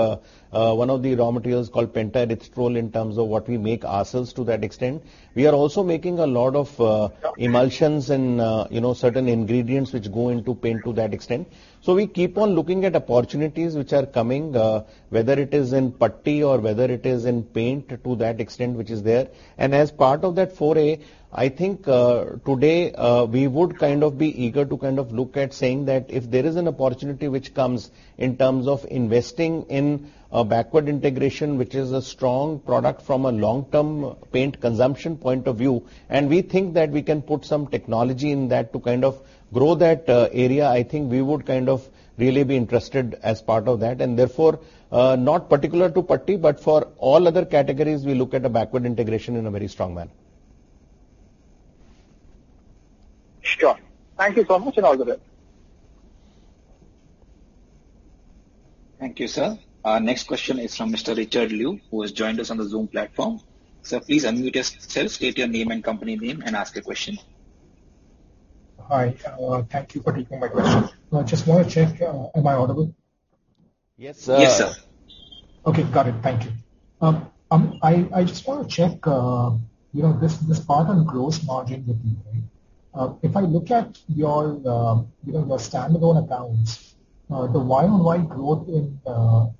one of the raw materials called pentaerythritol in terms of what we make ourselves to that extent. We are also making a lot of emulsions and you know, certain ingredients which go into paint to that extent. We keep on looking at opportunities which are coming, whether it is in putty or whether it is in paint to that extent, which is there. As part of that foray, I think, today, we would kind of be eager to kind of look at saying that if there is an opportunity which comes in terms of investing in a backward integration, which is a strong product from a long-term paint consumption point of view, and we think that we can put some technology in that to kind of grow that, area. I think we would kind of really be interested as part of that. Therefore, not particular to putty, but for all other categories we look at a backward integration in a very strong manner. Sure. Thank you so much and all the best. Thank you, sir. Our next question is from Mr. Richard Liu, who has joined us on the Zoom platform. Sir, please unmute yourselves, state your name and company name, and ask a question. Hi, thank you for taking my question. I just wanna check, am I audible? Yes, sir. Yes, sir. Okay. Got it. Thank you. I just want to check, you know, this part on gross margin with you, right? If I look at your, you know, your standalone accounts, the YoY growth in COGS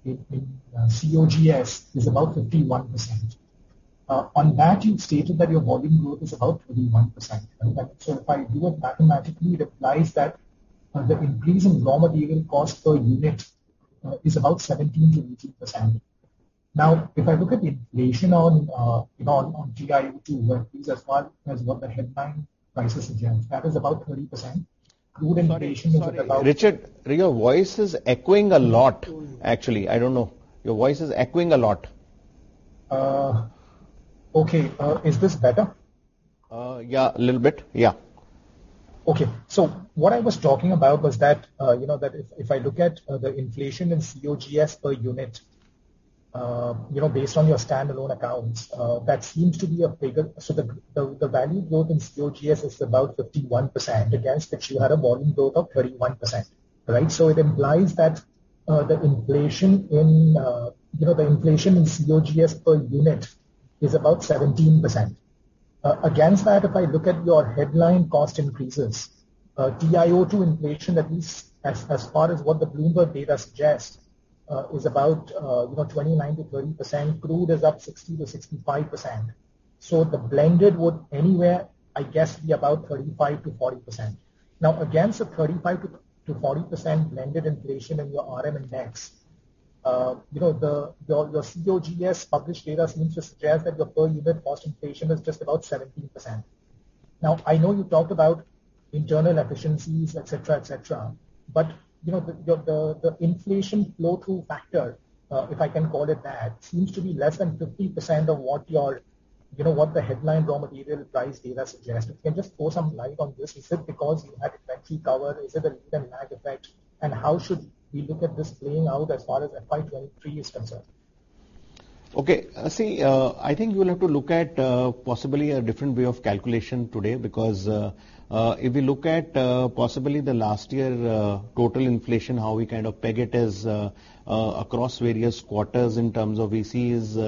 is about 51%. On that you've stated that your volume growth is about 21%. If I do it mathematically, it implies that the increase in raw material cost per unit is about 17%-18%. Now, if I look at the inflation on, you know, on TiO2, at least as far as what the headline prices suggest, that is about 30%. Crude inflation is at about- Sorry, Richard, your voice is echoing a lot. Oh. Actually, I don't know. Your voice is echoing a lot. Okay. Is this better? Yeah, a little bit. Yeah. Okay. What I was talking about was that, you know, that if I look at the inflation in COGS per unit, you know, based on your standalone accounts, that seems to be a bigger. The value growth in COGS is about 51% against that you had a volume growth of 31%, right? It implies that the inflation in COGS per unit is about 17%. Against that, if I look at your headline cost increases, TiO2 inflation, at least as far as what the Bloomberg data suggests, is about 29%-30%. Crude is up 60%-65%. The blended would anywhere, I guess, be about 35%-40%. Now, against a 35%-40% blended inflation in your RM indices, you know, your COGS published data seems to suggest that your per unit cost inflation is just about 17%. Now, I know you talked about internal efficiencies, et cetera, et cetera. You know, the inflation flow through factor, if I can call it that, seems to be less than 50% of what you know, what the headline raw material price data suggests. If you can just throw some light on this. Is it because you had Q cover? Is it a lag effect? How should we look at this playing out as far as FY 2023 is concerned? Okay. See, I think you will have to look at possibly a different way of calculation today because if you look at possibly the last year total inflation, how we kind of peg it as across various quarters in terms of we see is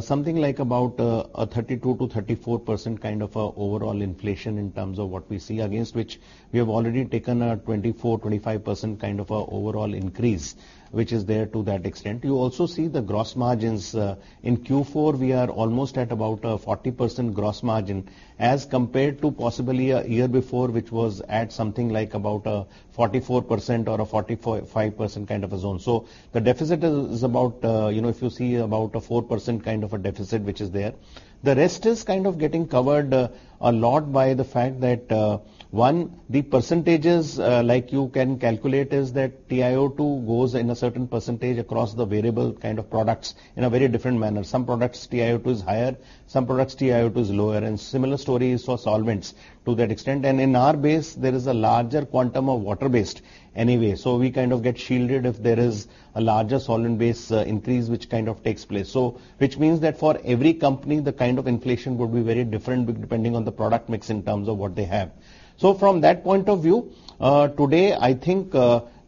something like about a 32%-34% kind of overall inflation in terms of what we see against which we have already taken a 24%-25% kind of a overall increase, which is there to that extent. You also see the gross margins. In Q4 we are almost at about a 40% gross margin as compared to possibly a year before which was at something like about 44% or a 45% kind of a zone. The deficit is about, you know, if you see about a 4% kind of a deficit which is there. The rest is kind of getting covered a lot by the fact that, one, the percentages, like you can calculate is that TiO2 goes in a certain percentage across the variable kind of products in a very different manner. Some products TiO2 is higher, some products TiO2 is lower. And similar story is for solvents to that extent. And in our base there is a larger quantum of water-based anyway. We kind of get shielded if there is a larger solvent-based, increase which kind of takes place. Which means that for every company, the kind of inflation would be very different depending on the product mix in terms of what they have. From that point of view, today, I think,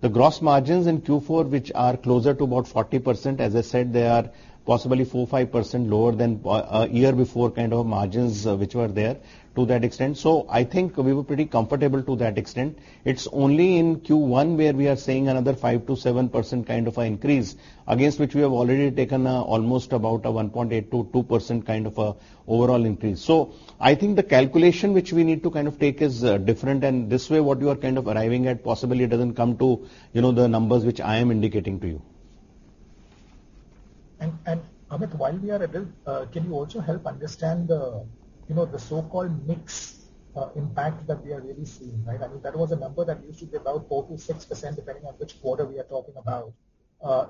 the gross margins in Q4, which are closer to about 40%, as I said, they are possibly 4%-5% lower than a year before kind of margins which were there to that extent. I think we were pretty comfortable to that extent. It's only in Q1 where we are seeing another 5%-7% kind of an increase, against which we have already taken, almost about a 1.8%-2% kind of a overall increase. I think the calculation which we need to kind of take is, different. This way, what you are kind of arriving at possibly doesn't come to, you know, the numbers which I am indicating to you. Amit, while we are at it, can you also help understand the, you know, the so-called mix impact that we are really seeing, right? I mean, that was a number that used to be about 4%-6% depending on which quarter we are talking about.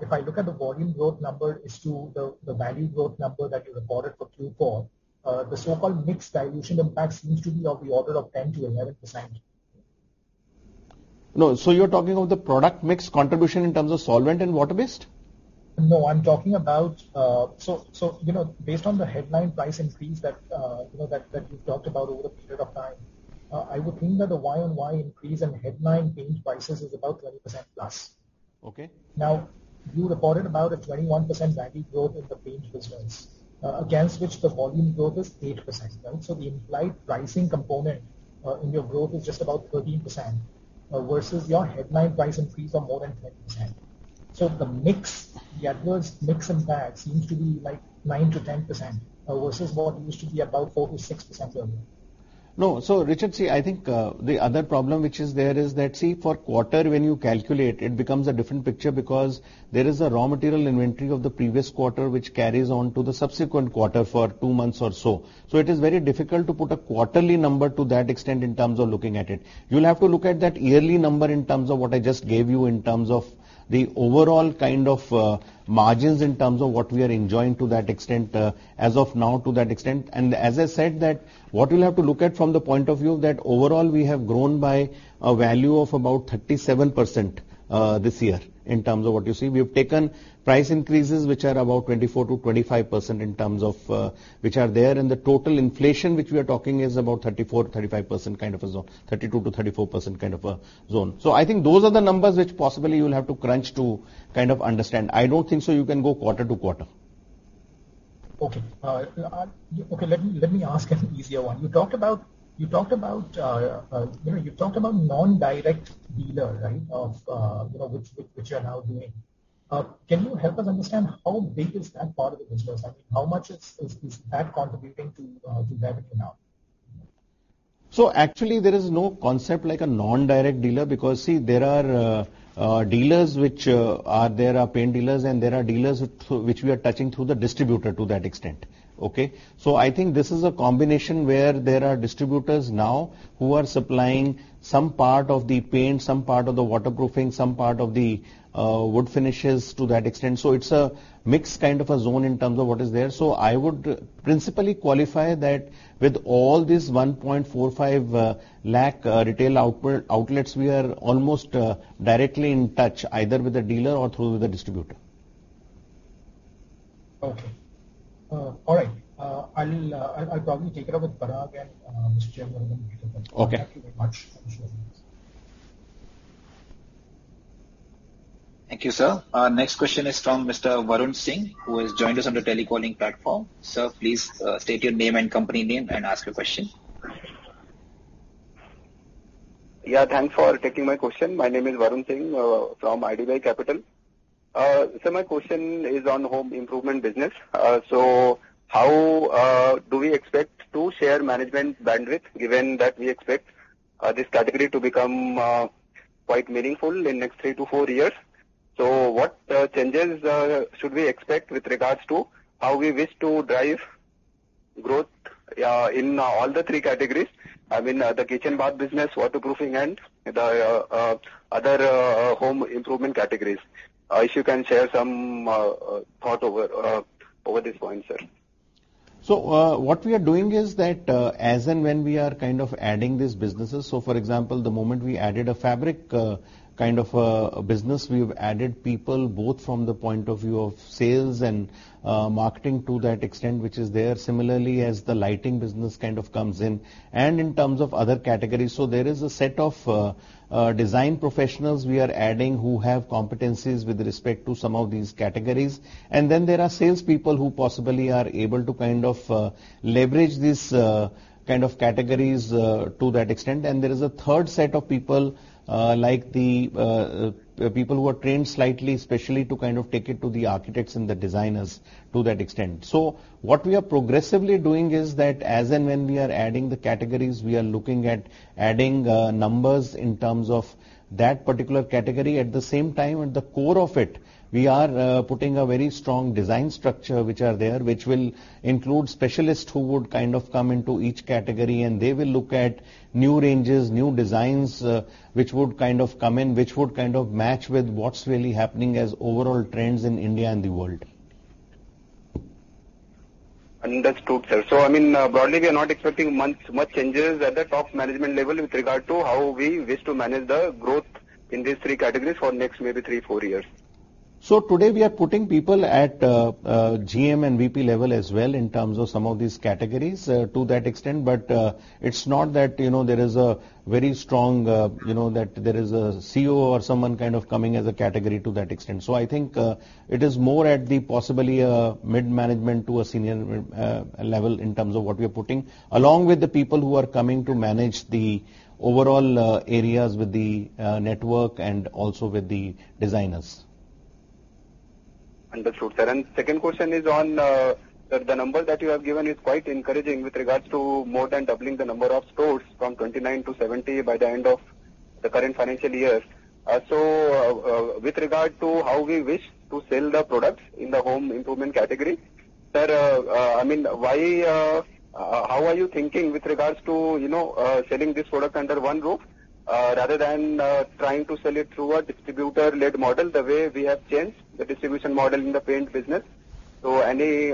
If I look at the volume growth number is to the value growth number that you reported for Q4, the so-called mix dilution impact seems to be of the order of 10%-11%. No. You're talking of the product mix contribution in terms of solvent and water-based? No, I'm talking about, you know, based on the headline price increase that, you know, you've talked about over a period of time, I would think that the Y on Y increase in headline paint prices is about 20% plus. Okay. You reported about a 21% value growth in the paint business against which the volume growth is 8%. Right? The implied pricing component in your growth is just about 13% versus your headline price increase of more than 20%. The mix, the adverse mix impact seems to be like 9%-10% versus what used to be about 4%-6% earlier. No. Richard, see, I think the other problem which is there is that, see, for quarter when you calculate, it becomes a different picture because there is a raw material inventory of the previous quarter which carries on to the subsequent quarter for two months or so. It is very difficult to put a quarterly number to that extent in terms of looking at it. You'll have to look at that yearly number in terms of what I just gave you in terms of the overall kind of margins in terms of what we are enjoying to that extent, as of now to that extent. I said that what you'll have to look at from the point of view that overall we have grown by a value of about 37% this year in terms of what you see. We have taken price increases which are about 24%-25% in terms of, which are there. The total inflation which we are talking is about 34%-35% kind of a zone, 32%-34% kind of a zone. I think those are the numbers which possibly you'll have to crunch to kind of understand. I don't think so you can go quarter to quarter. Okay, let me ask an easier one. You talked about non-direct dealer, right? You know, of which you are now doing. Can you help us understand how big is that part of the business? I mean, how much is that contributing to the revenue now? Actually there is no concept like a non-direct dealer because see there are dealers which are paint dealers and there are dealers which we are touching through the distributor to that extent. Okay? I think this is a combination where there are distributors now who are supplying some part of the paint, some part of the waterproofing, some part of the wood finishes to that extent. It is a mixed kind of a zone in terms of what is there. I would principally qualify that with all these 1.45 lakh retail outlets, we are almost directly in touch either with the dealer or through the distributor. Okay. All right. I'll probably take it up with Parag and Mr. Chairman when we meet up. Okay. Thank you very much. Sure. Thank you, sir. Our next question is from Mr. Varun Singh, who has joined us on the teleconferencing platform. Sir, please, state your name and company name and ask your question. Yeah, thanks for taking my question. My name is Varun Singh from IDBI Capital. My question is on home improvement business. How do we expect to share management bandwidth given that we expect this category to become quite meaningful in next three to four years? What changes should we expect with regards to how we wish to drive growth in all the three categories? I mean, the kitchen bath business, waterproofing, and the other home improvement categories. If you can share some thought over this point, sir. What we are doing is that, as and when we are kind of adding these businesses, for example, the moment we added a fabric kind of a business, we've added people both from the point of view of sales and marketing to that extent which is there. Similarly, as the lighting business kind of comes in and in terms of other categories. There is a set of design professionals we are adding who have competencies with respect to some of these categories. Then there are salespeople who possibly are able to kind of leverage these kind of categories to that extent. There is a third set of people like the people who are trained slightly, especially to kind of take it to the architects and the designers to that extent. What we are progressively doing is that as and when we are adding the categories, we are looking at adding numbers in terms of that particular category. At the same time, at the core of it, we are putting a very strong design structure which are there, which will include specialists who would kind of come into each category and they will look at new ranges, new designs, which would kind of come in, which would kind of match with what's really happening as overall trends in India and the world. Understood, sir. I mean, broadly, we are not expecting much changes at the top management level with regard to how we wish to manage the growth in these three categories for next maybe three, four years. Today we are putting people at GM and VP level as well in terms of some of these categories, to that extent. It's not that, you know, there is a very strong, you know, that there is a CEO or someone kind of coming as a category to that extent. I think it is more at the possibly mid-management to a senior level in terms of what we are putting, along with the people who are coming to manage the overall areas with the network and also with the designers. Understood, sir. Second question is on the number that you have given is quite encouraging with regards to more than doubling the number of stores from 29 to 70 by the end of the current financial year. With regard to how we wish to sell the products in the home improvement category, sir, I mean, how are you thinking with regards to, you know, selling this product under one roof, rather than trying to sell it through a distributor-led model, the way we have changed the distribution model in the paint business? Any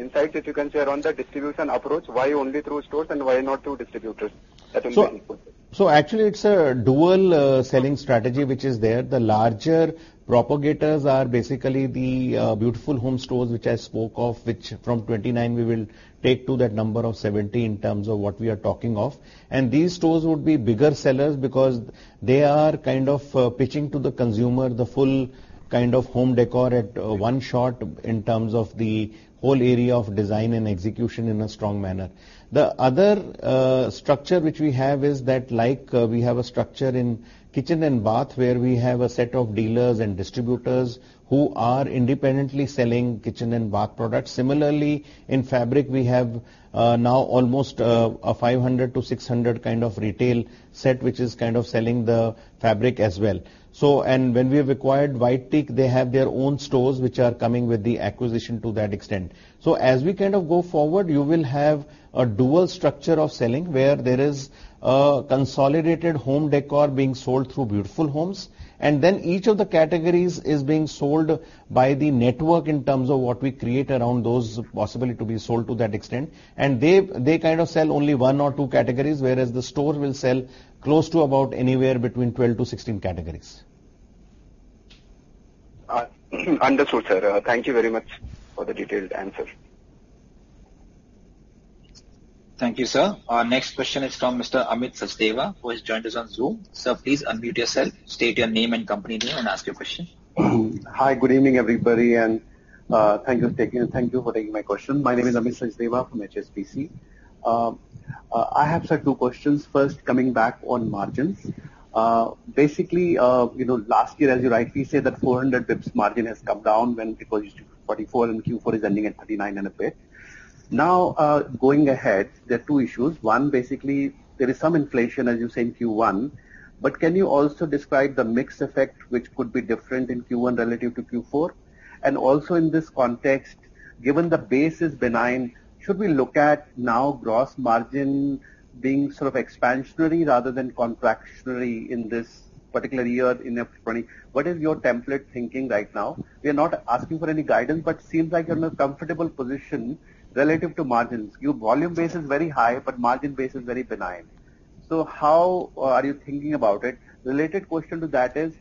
insights that you can share on the distribution approach, why only through stores and why not through distributors? That will be helpful. Actually it's a dual selling strategy which is there. The larger propositions are basically the Beautiful Homes Store, which I spoke of, which from 29 we will take to that number of 70 in terms of what we are talking of. These stores would be bigger sellers because they are kind of pitching to the consumer the full kind of home décor at one shot in terms of the whole area of design and execution in a strong manner. The other structure which we have is that like we have a structure in kitchen and bath, where we have a set of dealers and distributors who are independently selling kitchen and bath products. Similarly, in fabric, we have now almost a 500-600 kind of retail set, which is kind of selling the fabric as well. When we acquired White Teak, they have their own stores which are coming with the acquisition to that extent. As we kind of go forward, you will have a dual structure of selling where there is a consolidated home décor being sold through Beautiful Homes. Then each of the categories is being sold by the network in terms of what we create around those possibly to be sold to that extent. They kind of sell only one or two categories, whereas the store will sell close to about anywhere between 12-16 categories. Understood, sir. Thank you very much for the detailed answer. Thank you, sir. Our next question is from Mr. Amit Sachdeva, who has joined us on Zoom. Sir, please unmute yourself, state your name and company name and ask your question. Hi, good evening, everybody. Thank you for taking my question. My name is Amit Sachdeva from HSBC. I have, sir, two questions. First, coming back on margins. You know, last year, as you rightly said, that 400 BPS margin has come down when it was 44% and Q4 is ending at 39% and a bit. Now, going ahead, there are two issues. One, basically there is some inflation, as you say, in Q1, but can you also describe the mix effect which could be different in Q1 relative to Q4? Also in this context, given the base is benign, should we look at now gross margin being sort of expansionary rather than contractionary in this particular year in FY 2020? What is your tentative thinking right now? We are not asking for any guidance, but seems like you're in a comfortable position relative to margins. Your volume base is very high, but margin base is very benign. How are you thinking about it? Related question to that is,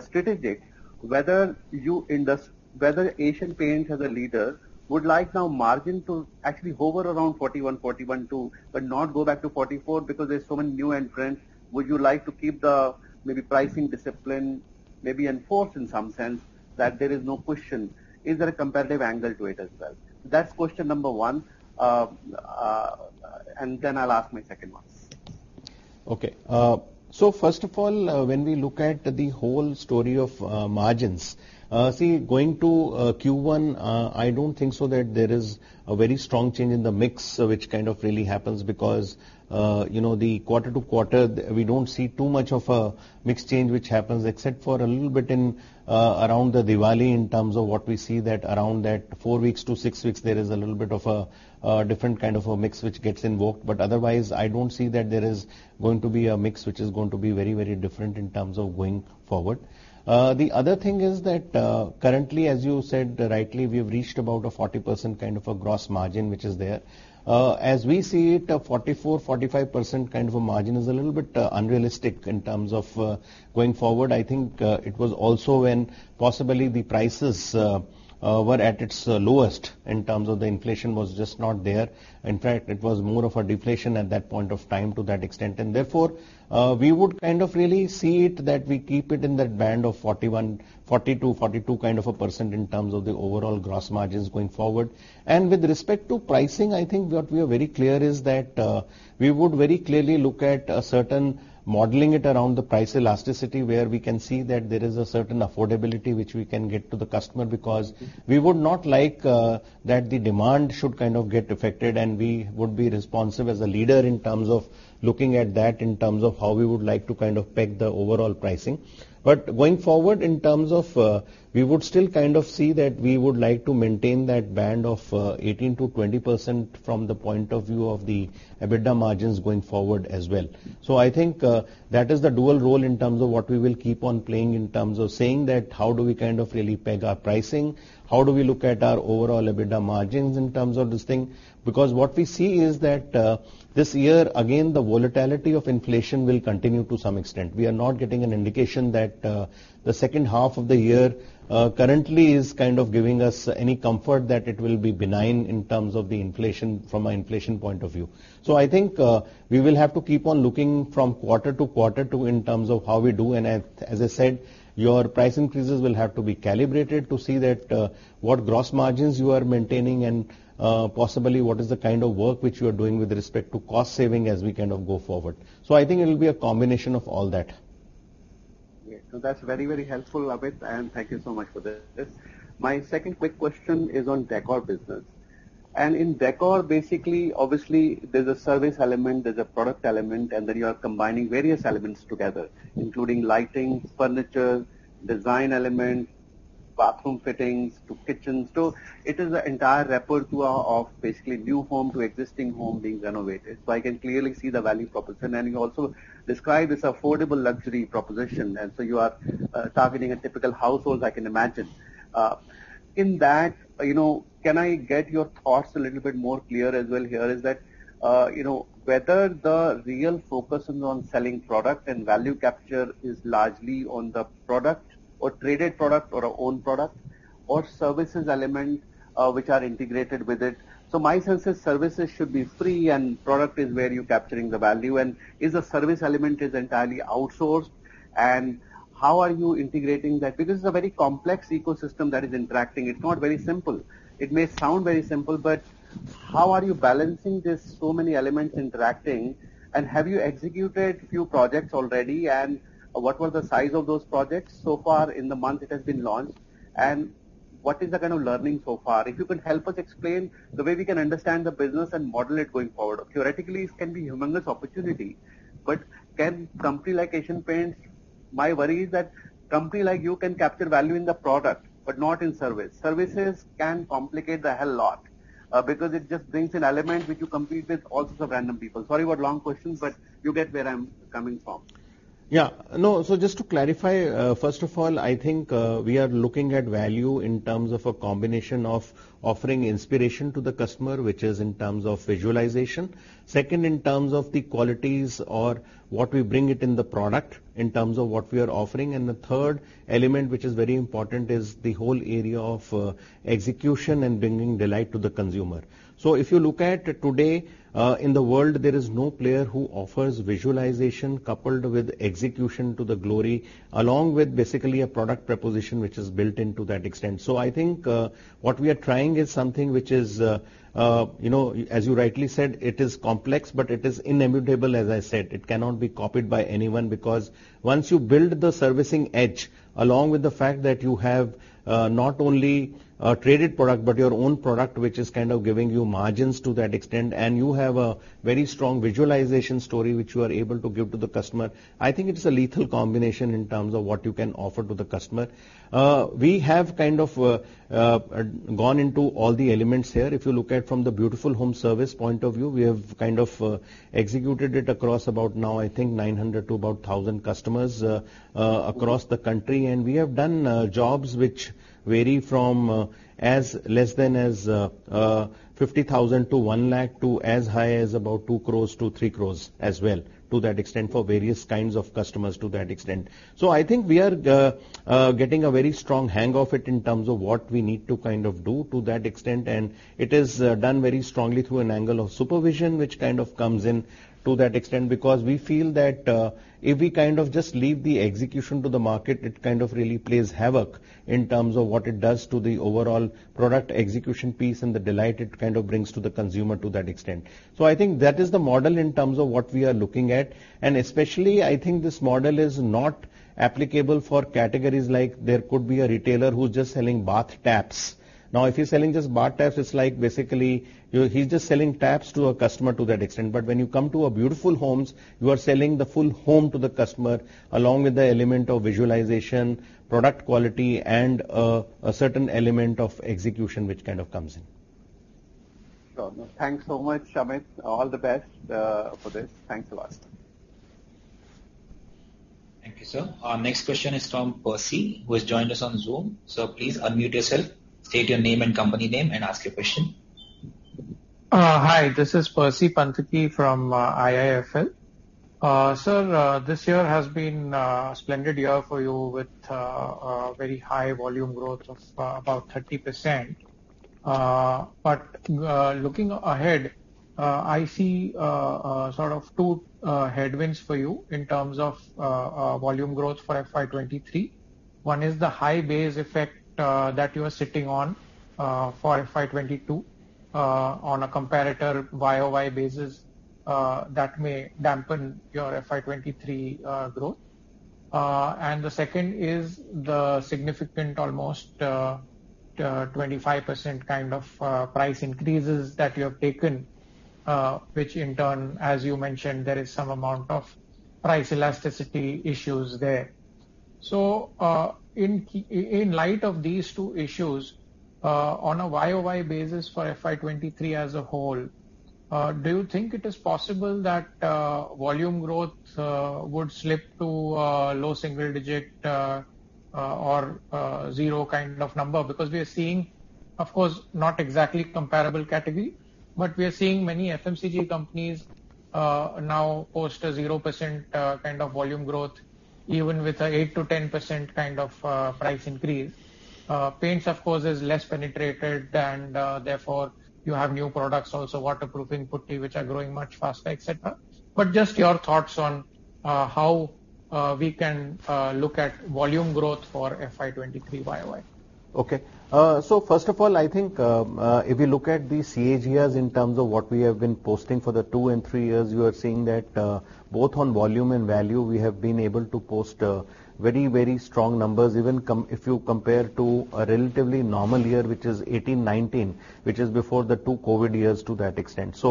strategic, whether Asian Paints as a leader would like now margin to actually hover around 41%, 42%, but not go back to 44% because there's so many new entrants. Would you like to keep the maybe pricing discipline maybe enforced in some sense that there is no question, is there a competitive angle to it as well? That's question number one. And then I'll ask my second one. Okay. First of all, when we look at the whole story of margins, going to Q1, I don't think that there is a very strong change in the mix which kind of really happens because, you know, the quarter to quarter, we don't see too much of a mix change which happens except for a little bit in and around the Diwali in terms of what we see that around that 4 weeks to 6 weeks there is a little bit of a different kind of a mix which gets invoked. Otherwise, I don't see that there is going to be a mix which is going to be very, very different in terms of going forward. The other thing is that, currently, as you said rightly, we've reached about a 40% kind of a gross margin which is there. As we see it, a 44%-45% kind of a margin is a little bit unrealistic in terms of going forward. I think it was also when possibly the prices were at its lowest in terms of the inflation was just not there. In fact, it was more of a deflation at that point of time to that extent. Therefore, we would kind of really see it that we keep it in that band of 41, 40 to 42 kind of a percent in terms of the overall gross margins going forward. With respect to pricing, I think what we are very clear is that we would very clearly look at a certain modeling it around the price elasticity, where we can see that there is a certain affordability which we can get to the customer because we would not like that the demand should kind of get affected. We would be responsive as a leader in terms of looking at that, in terms of how we would like to kind of peg the overall pricing. Going forward, in terms of, we would still kind of see that we would like to maintain that band of 18%-20% from the point of view of the EBITDA margins going forward as well. I think that is the dual role in terms of what we will keep on playing, in terms of saying that how do we kind of really peg our pricing, how do we look at our overall EBITDA margins in terms of this thing. Because what we see is that this year, again, the volatility of inflation will continue to some extent. We are not getting an indication that the second half of the year currently is kind of giving us any comfort that it will be benign in terms of the inflation from an inflation point of view. I think we will have to keep on looking from quarter to quarter in terms of how we do. As I said, your price increases will have to be calibrated to see that what gross margins you are maintaining and possibly what is the kind of work which you are doing with respect to cost saving as we kind of go forward. I think it will be a combination of all that. Yeah. That's very, very helpful, Amit, and thank you so much for this. My second quick question is on decor business. In decor, basically, obviously there's a service element, there's a product element, and then you are combining various elements together, including lighting, furniture, design element, bathroom fittings to kitchen stove. It is an entire repertoire of basically new home to existing home being renovated. I can clearly see the value proposition. You also describe this affordable luxury proposition, and so you are targeting a typical household, I can imagine. In that, you know, can I get your thoughts a little bit more clear as well here is that, you know, whether the real focus is on selling product and value capture is largely on the product or traded product or our own product or services element, which are integrated with it. My sense is services should be free and product is where you're capturing the value. Is the service element entirely outsourced? How are you integrating that? Because it's a very complex ecosystem that is interacting. It's not very simple. It may sound very simple, but how are you balancing these so many elements interacting? Have you executed few projects already? What was the size of those projects so far in the month it has been launched? What is the kind of learning so far? If you can help us explain the way we can understand the business and model it going forward. Theoretically, it can be humongous opportunity, but can a company like Asian Paints capture value in the product but not in service? My worry is that a company like you can capture value in the product but not in service. Services can complicate the hell lot, because it just brings an element which you compete with all sorts of random people. Sorry about long questions, but you get where I'm coming from. Yeah. No. Just to clarify, first of all, I think, we are looking at value in terms of a combination of offering inspiration to the customer, which is in terms of visualization. Second, in terms of the qualities or what we bring it in the product, in terms of what we are offering. And the third element, which is very important, is the whole area of execution and bringing delight to the consumer. If you look at today, in the world, there is no player who offers visualization coupled with execution to the hilt, along with basically a product proposition which is built into that extent. I think, what we are trying is something which is, you know, as you rightly said, it is complex, but it is immutable, as I said. It cannot be copied by anyone because once you build the servicing edge, along with the fact that you have, not only a traded product but your own product, which is kind of giving you margins to that extent, and you have a very strong visualization story which you are able to give to the customer, I think it is a lethal combination in terms of what you can offer to the customer. We have kind of gone into all the elements here. If you look at from the Beautiful Homes service point of view, we have kind of executed it across about now, I think 900 to about 1,000 customers, across the country. We have done jobs which vary from as low as 50,000 to 1 lakh to as high as about 2 crore to 3 crore as well, to that extent, for various kinds of customers to that extent. I think we are getting a very strong hang of it in terms of what we need to kind of do to that extent. It is done very strongly through an angle of supervision, which kind of comes in to that extent. Because we feel that, if we kind of just leave the execution to the market, it kind of really plays havoc in terms of what it does to the overall product execution piece and the delight it kind of brings to the consumer to that extent. I think that is the model in terms of what we are looking at. Especially, I think this model is not applicable for categories like there could be a retailer who's just selling bath taps. Now, if he's selling just bath taps, it's like basically he's just selling taps to a customer to that extent. When you come to a Beautiful Homes, you are selling the full home to the customer, along with the element of visualization, product quality, and a certain element of execution which kind of comes in. Sure. Thanks so much, Amit. All the best for this. Thanks a lot. Thank you, sir. Our next question is from Percy, who has joined us on Zoom. Sir, please unmute yourself, state your name and company name and ask your question. Hi, this is Percy Panthaki from IIFL. Sir, this year has been a splendid year for you with very high volume growth of about 30%. Looking ahead, I see sort of two headwinds for you in terms of volume growth for FY 2023. One is the high base effect that you are sitting on for FY 2022 on a comparator YOY basis that may dampen your FY 2023 growth. The second is the significant almost 25% kind of price increases that you have taken, which in turn, as you mentioned, there is some amount of price elasticity issues there. In light of these two issues, on a YOY basis for FY 2023 as a whole, do you think it is possible that volume growth would slip to low single digit or zero kind of number? Because we are seeing, of course, not exactly comparable category, but we are seeing many FMCG companies now post a 0% kind of volume growth, even with an 8%-10% kind of price increase. Paints of course is less penetrated and therefore you have new products also waterproofing putty, which are growing much faster, et cetera. Just your thoughts on how we can look at volume growth for FY 2023 YOY. Okay. First of all, I think, if you look at the CAGRs in terms of what we have been posting for the two and three years, you are seeing that, both on volume and value, we have been able to post, very, very strong numbers. If you compare to a relatively normal year, which is 2018-2019, which is before the two COVID years to that extent.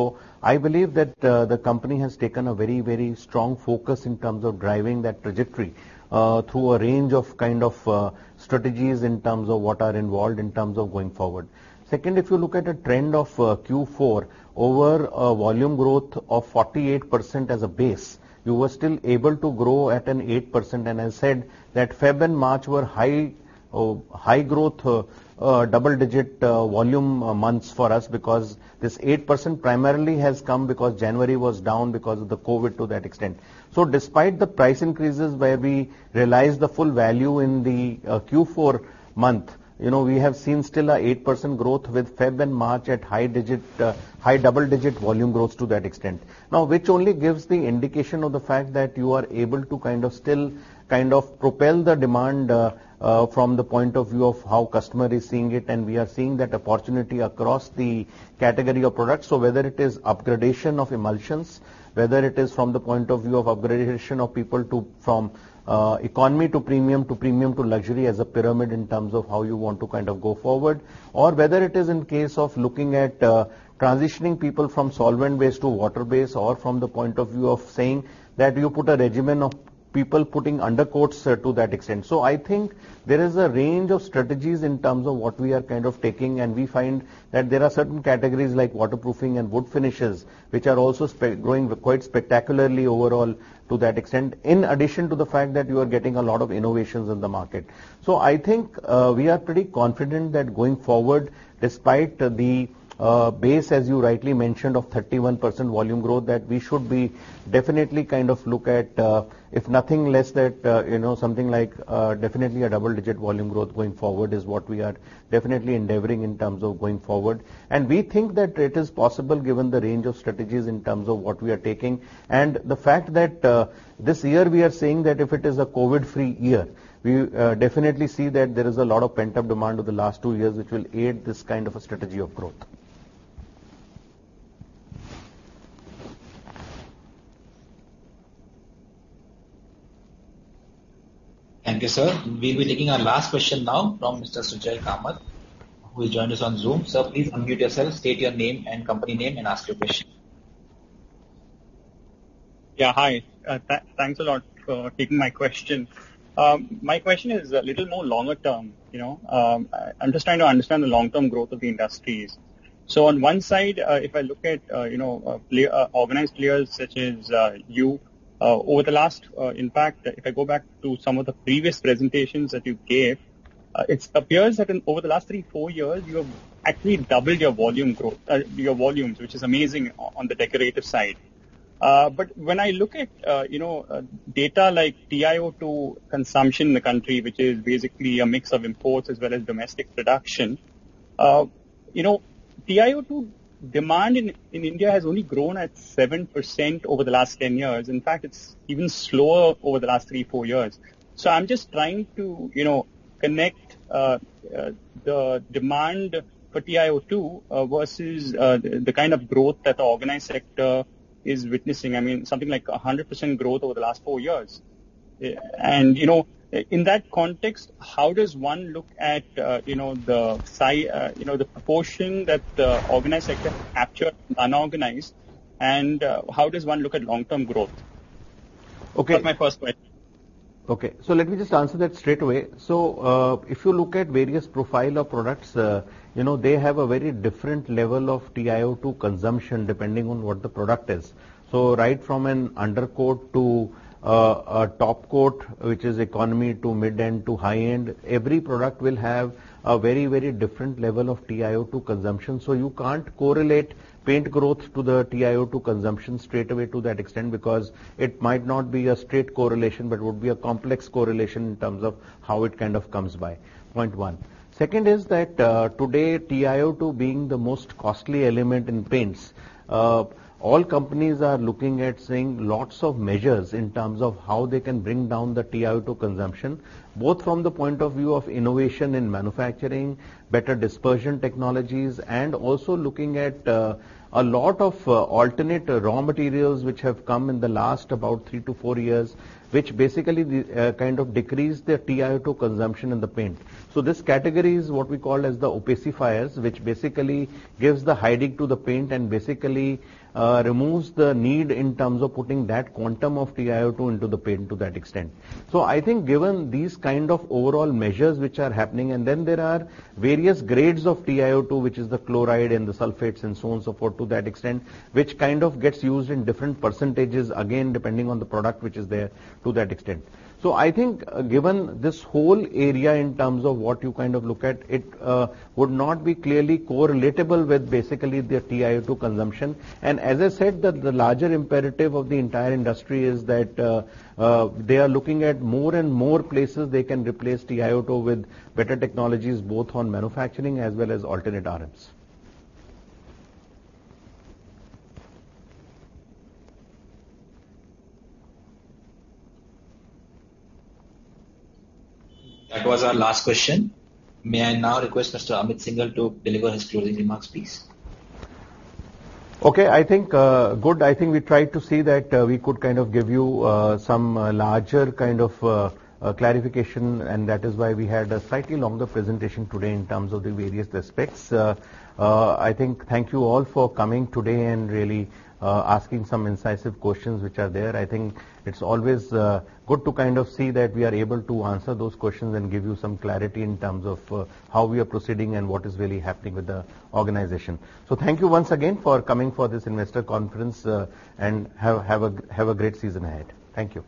I believe that the company has taken a very, very strong focus in terms of driving that trajectory, through a range of kind of, strategies in terms of what are involved in terms of going forward. Second, if you look at a trend of, Q4 over a volume growth of 48% as a base, you were still able to grow at an 8%. I said that Feb and March were high growth, double digit volume months for us because this 8% primarily has come because January was down because of the COVID to that extent. Despite the price increases where we realize the full value in the Q4 month, you know, we have seen still a 8% growth with Feb and March at high double digit volume growth to that extent. Now, which only gives the indication of the fact that you are able to kind of still kind of propel the demand from the point of view of how customer is seeing it, and we are seeing that opportunity across the category of products. Whether it is upgradation of emulsions, whether it is from the point of view of upgradation of people from economy to premium to luxury as a pyramid in terms of how you want to kind of go forward. Or whether it is in case of looking at transitioning people from solvent-based to water-based, or from the point of view of saying that you put a regimen of people putting undercoats to that extent. I think there is a range of strategies in terms of what we are kind of taking, and we find that there are certain categories like waterproofing and wood finishes, which are also growing quite spectacularly overall to that extent, in addition to the fact that you are getting a lot of innovations in the market. I think we are pretty confident that going forward, despite the base, as you rightly mentioned, of 31% volume growth, that we should be definitely kind of look at, if nothing less that, you know, something like, definitely a double-digit volume growth going forward is what we are definitely endeavoring in terms of going forward. We think that it is possible given the range of strategies in terms of what we are taking. The fact that this year we are seeing that if it is a COVID-free year, we definitely see that there is a lot of pent-up demand over the last two years, which will aid this kind of a strategy of growth. Thank you, sir. We'll be taking our last question now from Mr. Sujay Kamath, who has joined us on Zoom. Sir, please unmute yourself, state your name and company name and ask your question. Yeah, hi. Thanks a lot for taking my question. My question is a little more longer term, you know. I'm just trying to understand the long-term growth of the industries. On one side, if I look at, you know, organized players such as you, over the last, in fact, if I go back to some of the previous presentations that you gave, it appears that over the last three-four years, you have actually doubled your volume growth, your volumes, which is amazing on the decorative side. But when I look at, you know, data like TiO2 consumption in the country, which is basically a mix of imports as well as domestic production, you know, TiO2 demand in India has only grown at 7% over the last 10 years. In fact, it's even slower over the last three, four years. I'm just trying to, you know, connect the demand for TiO2 versus the kind of growth that the organized sector is witnessing. I mean, something like 100% growth over the last four years. You know, in that context, how does one look at, you know, the proportion that the organized sector has captured unorganized, and how does one look at long-term growth? Okay. That's my first question. Okay, let me just answer that straight away. If you look at various profile of products, you know, they have a very different level of TiO2 consumption depending on what the product is. Right from an undercoat to a top coat, which is economy to mid-end to high-end, every product will have a very, very different level of TiO2 consumption. You can't correlate paint growth to the TiO2 consumption straight away to that extent because it might not be a straight correlation, but it would be a complex correlation in terms of how it kind of comes by. Point one. Second is that, today TiO2 being the most costly element in paints, all companies are looking at seeing lots of measures in terms of how they can bring down the TiO2 consumption, both from the point of view of innovation in manufacturing, better dispersion technologies, and also looking at, a lot of, alternate raw materials which have come in the last about three-four years, which basically the kind of decrease their TiO2 consumption in the paint. This category is what we call as the opacifiers, which basically gives the hiding to the paint and basically, removes the need in terms of putting that quantum of TiO2 into the paint to that extent. I think given these kind of overall measures which are happening, and then there are various grades of TiO2, which is the chloride and the sulfates and so on, so forth, to that extent, which kind of gets used in different percentages, again, depending on the product which is there to that extent. I think given this whole area in terms of what you kind of look at it, would not be clearly correlatable with basically the TiO2 consumption. As I said, the larger imperative of the entire industry is that, they are looking at more and more places they can replace TiO2 with better technologies, both on manufacturing as well as alternate RMs. That was our last question. May I now request Mr. Amit Syngle to deliver his closing remarks, please? Okay. I think good. I think we tried to see that we could kind of give you some larger kind of clarification, and that is why we had a slightly longer presentation today in terms of the various aspects. I think thank you all for coming today and really asking some incisive questions which are there. I think it's always good to kind of see that we are able to answer those questions and give you some clarity in terms of how we are proceeding and what is really happening with the organization. Thank you once again for coming for this investor conference, and have a great season ahead. Thank you.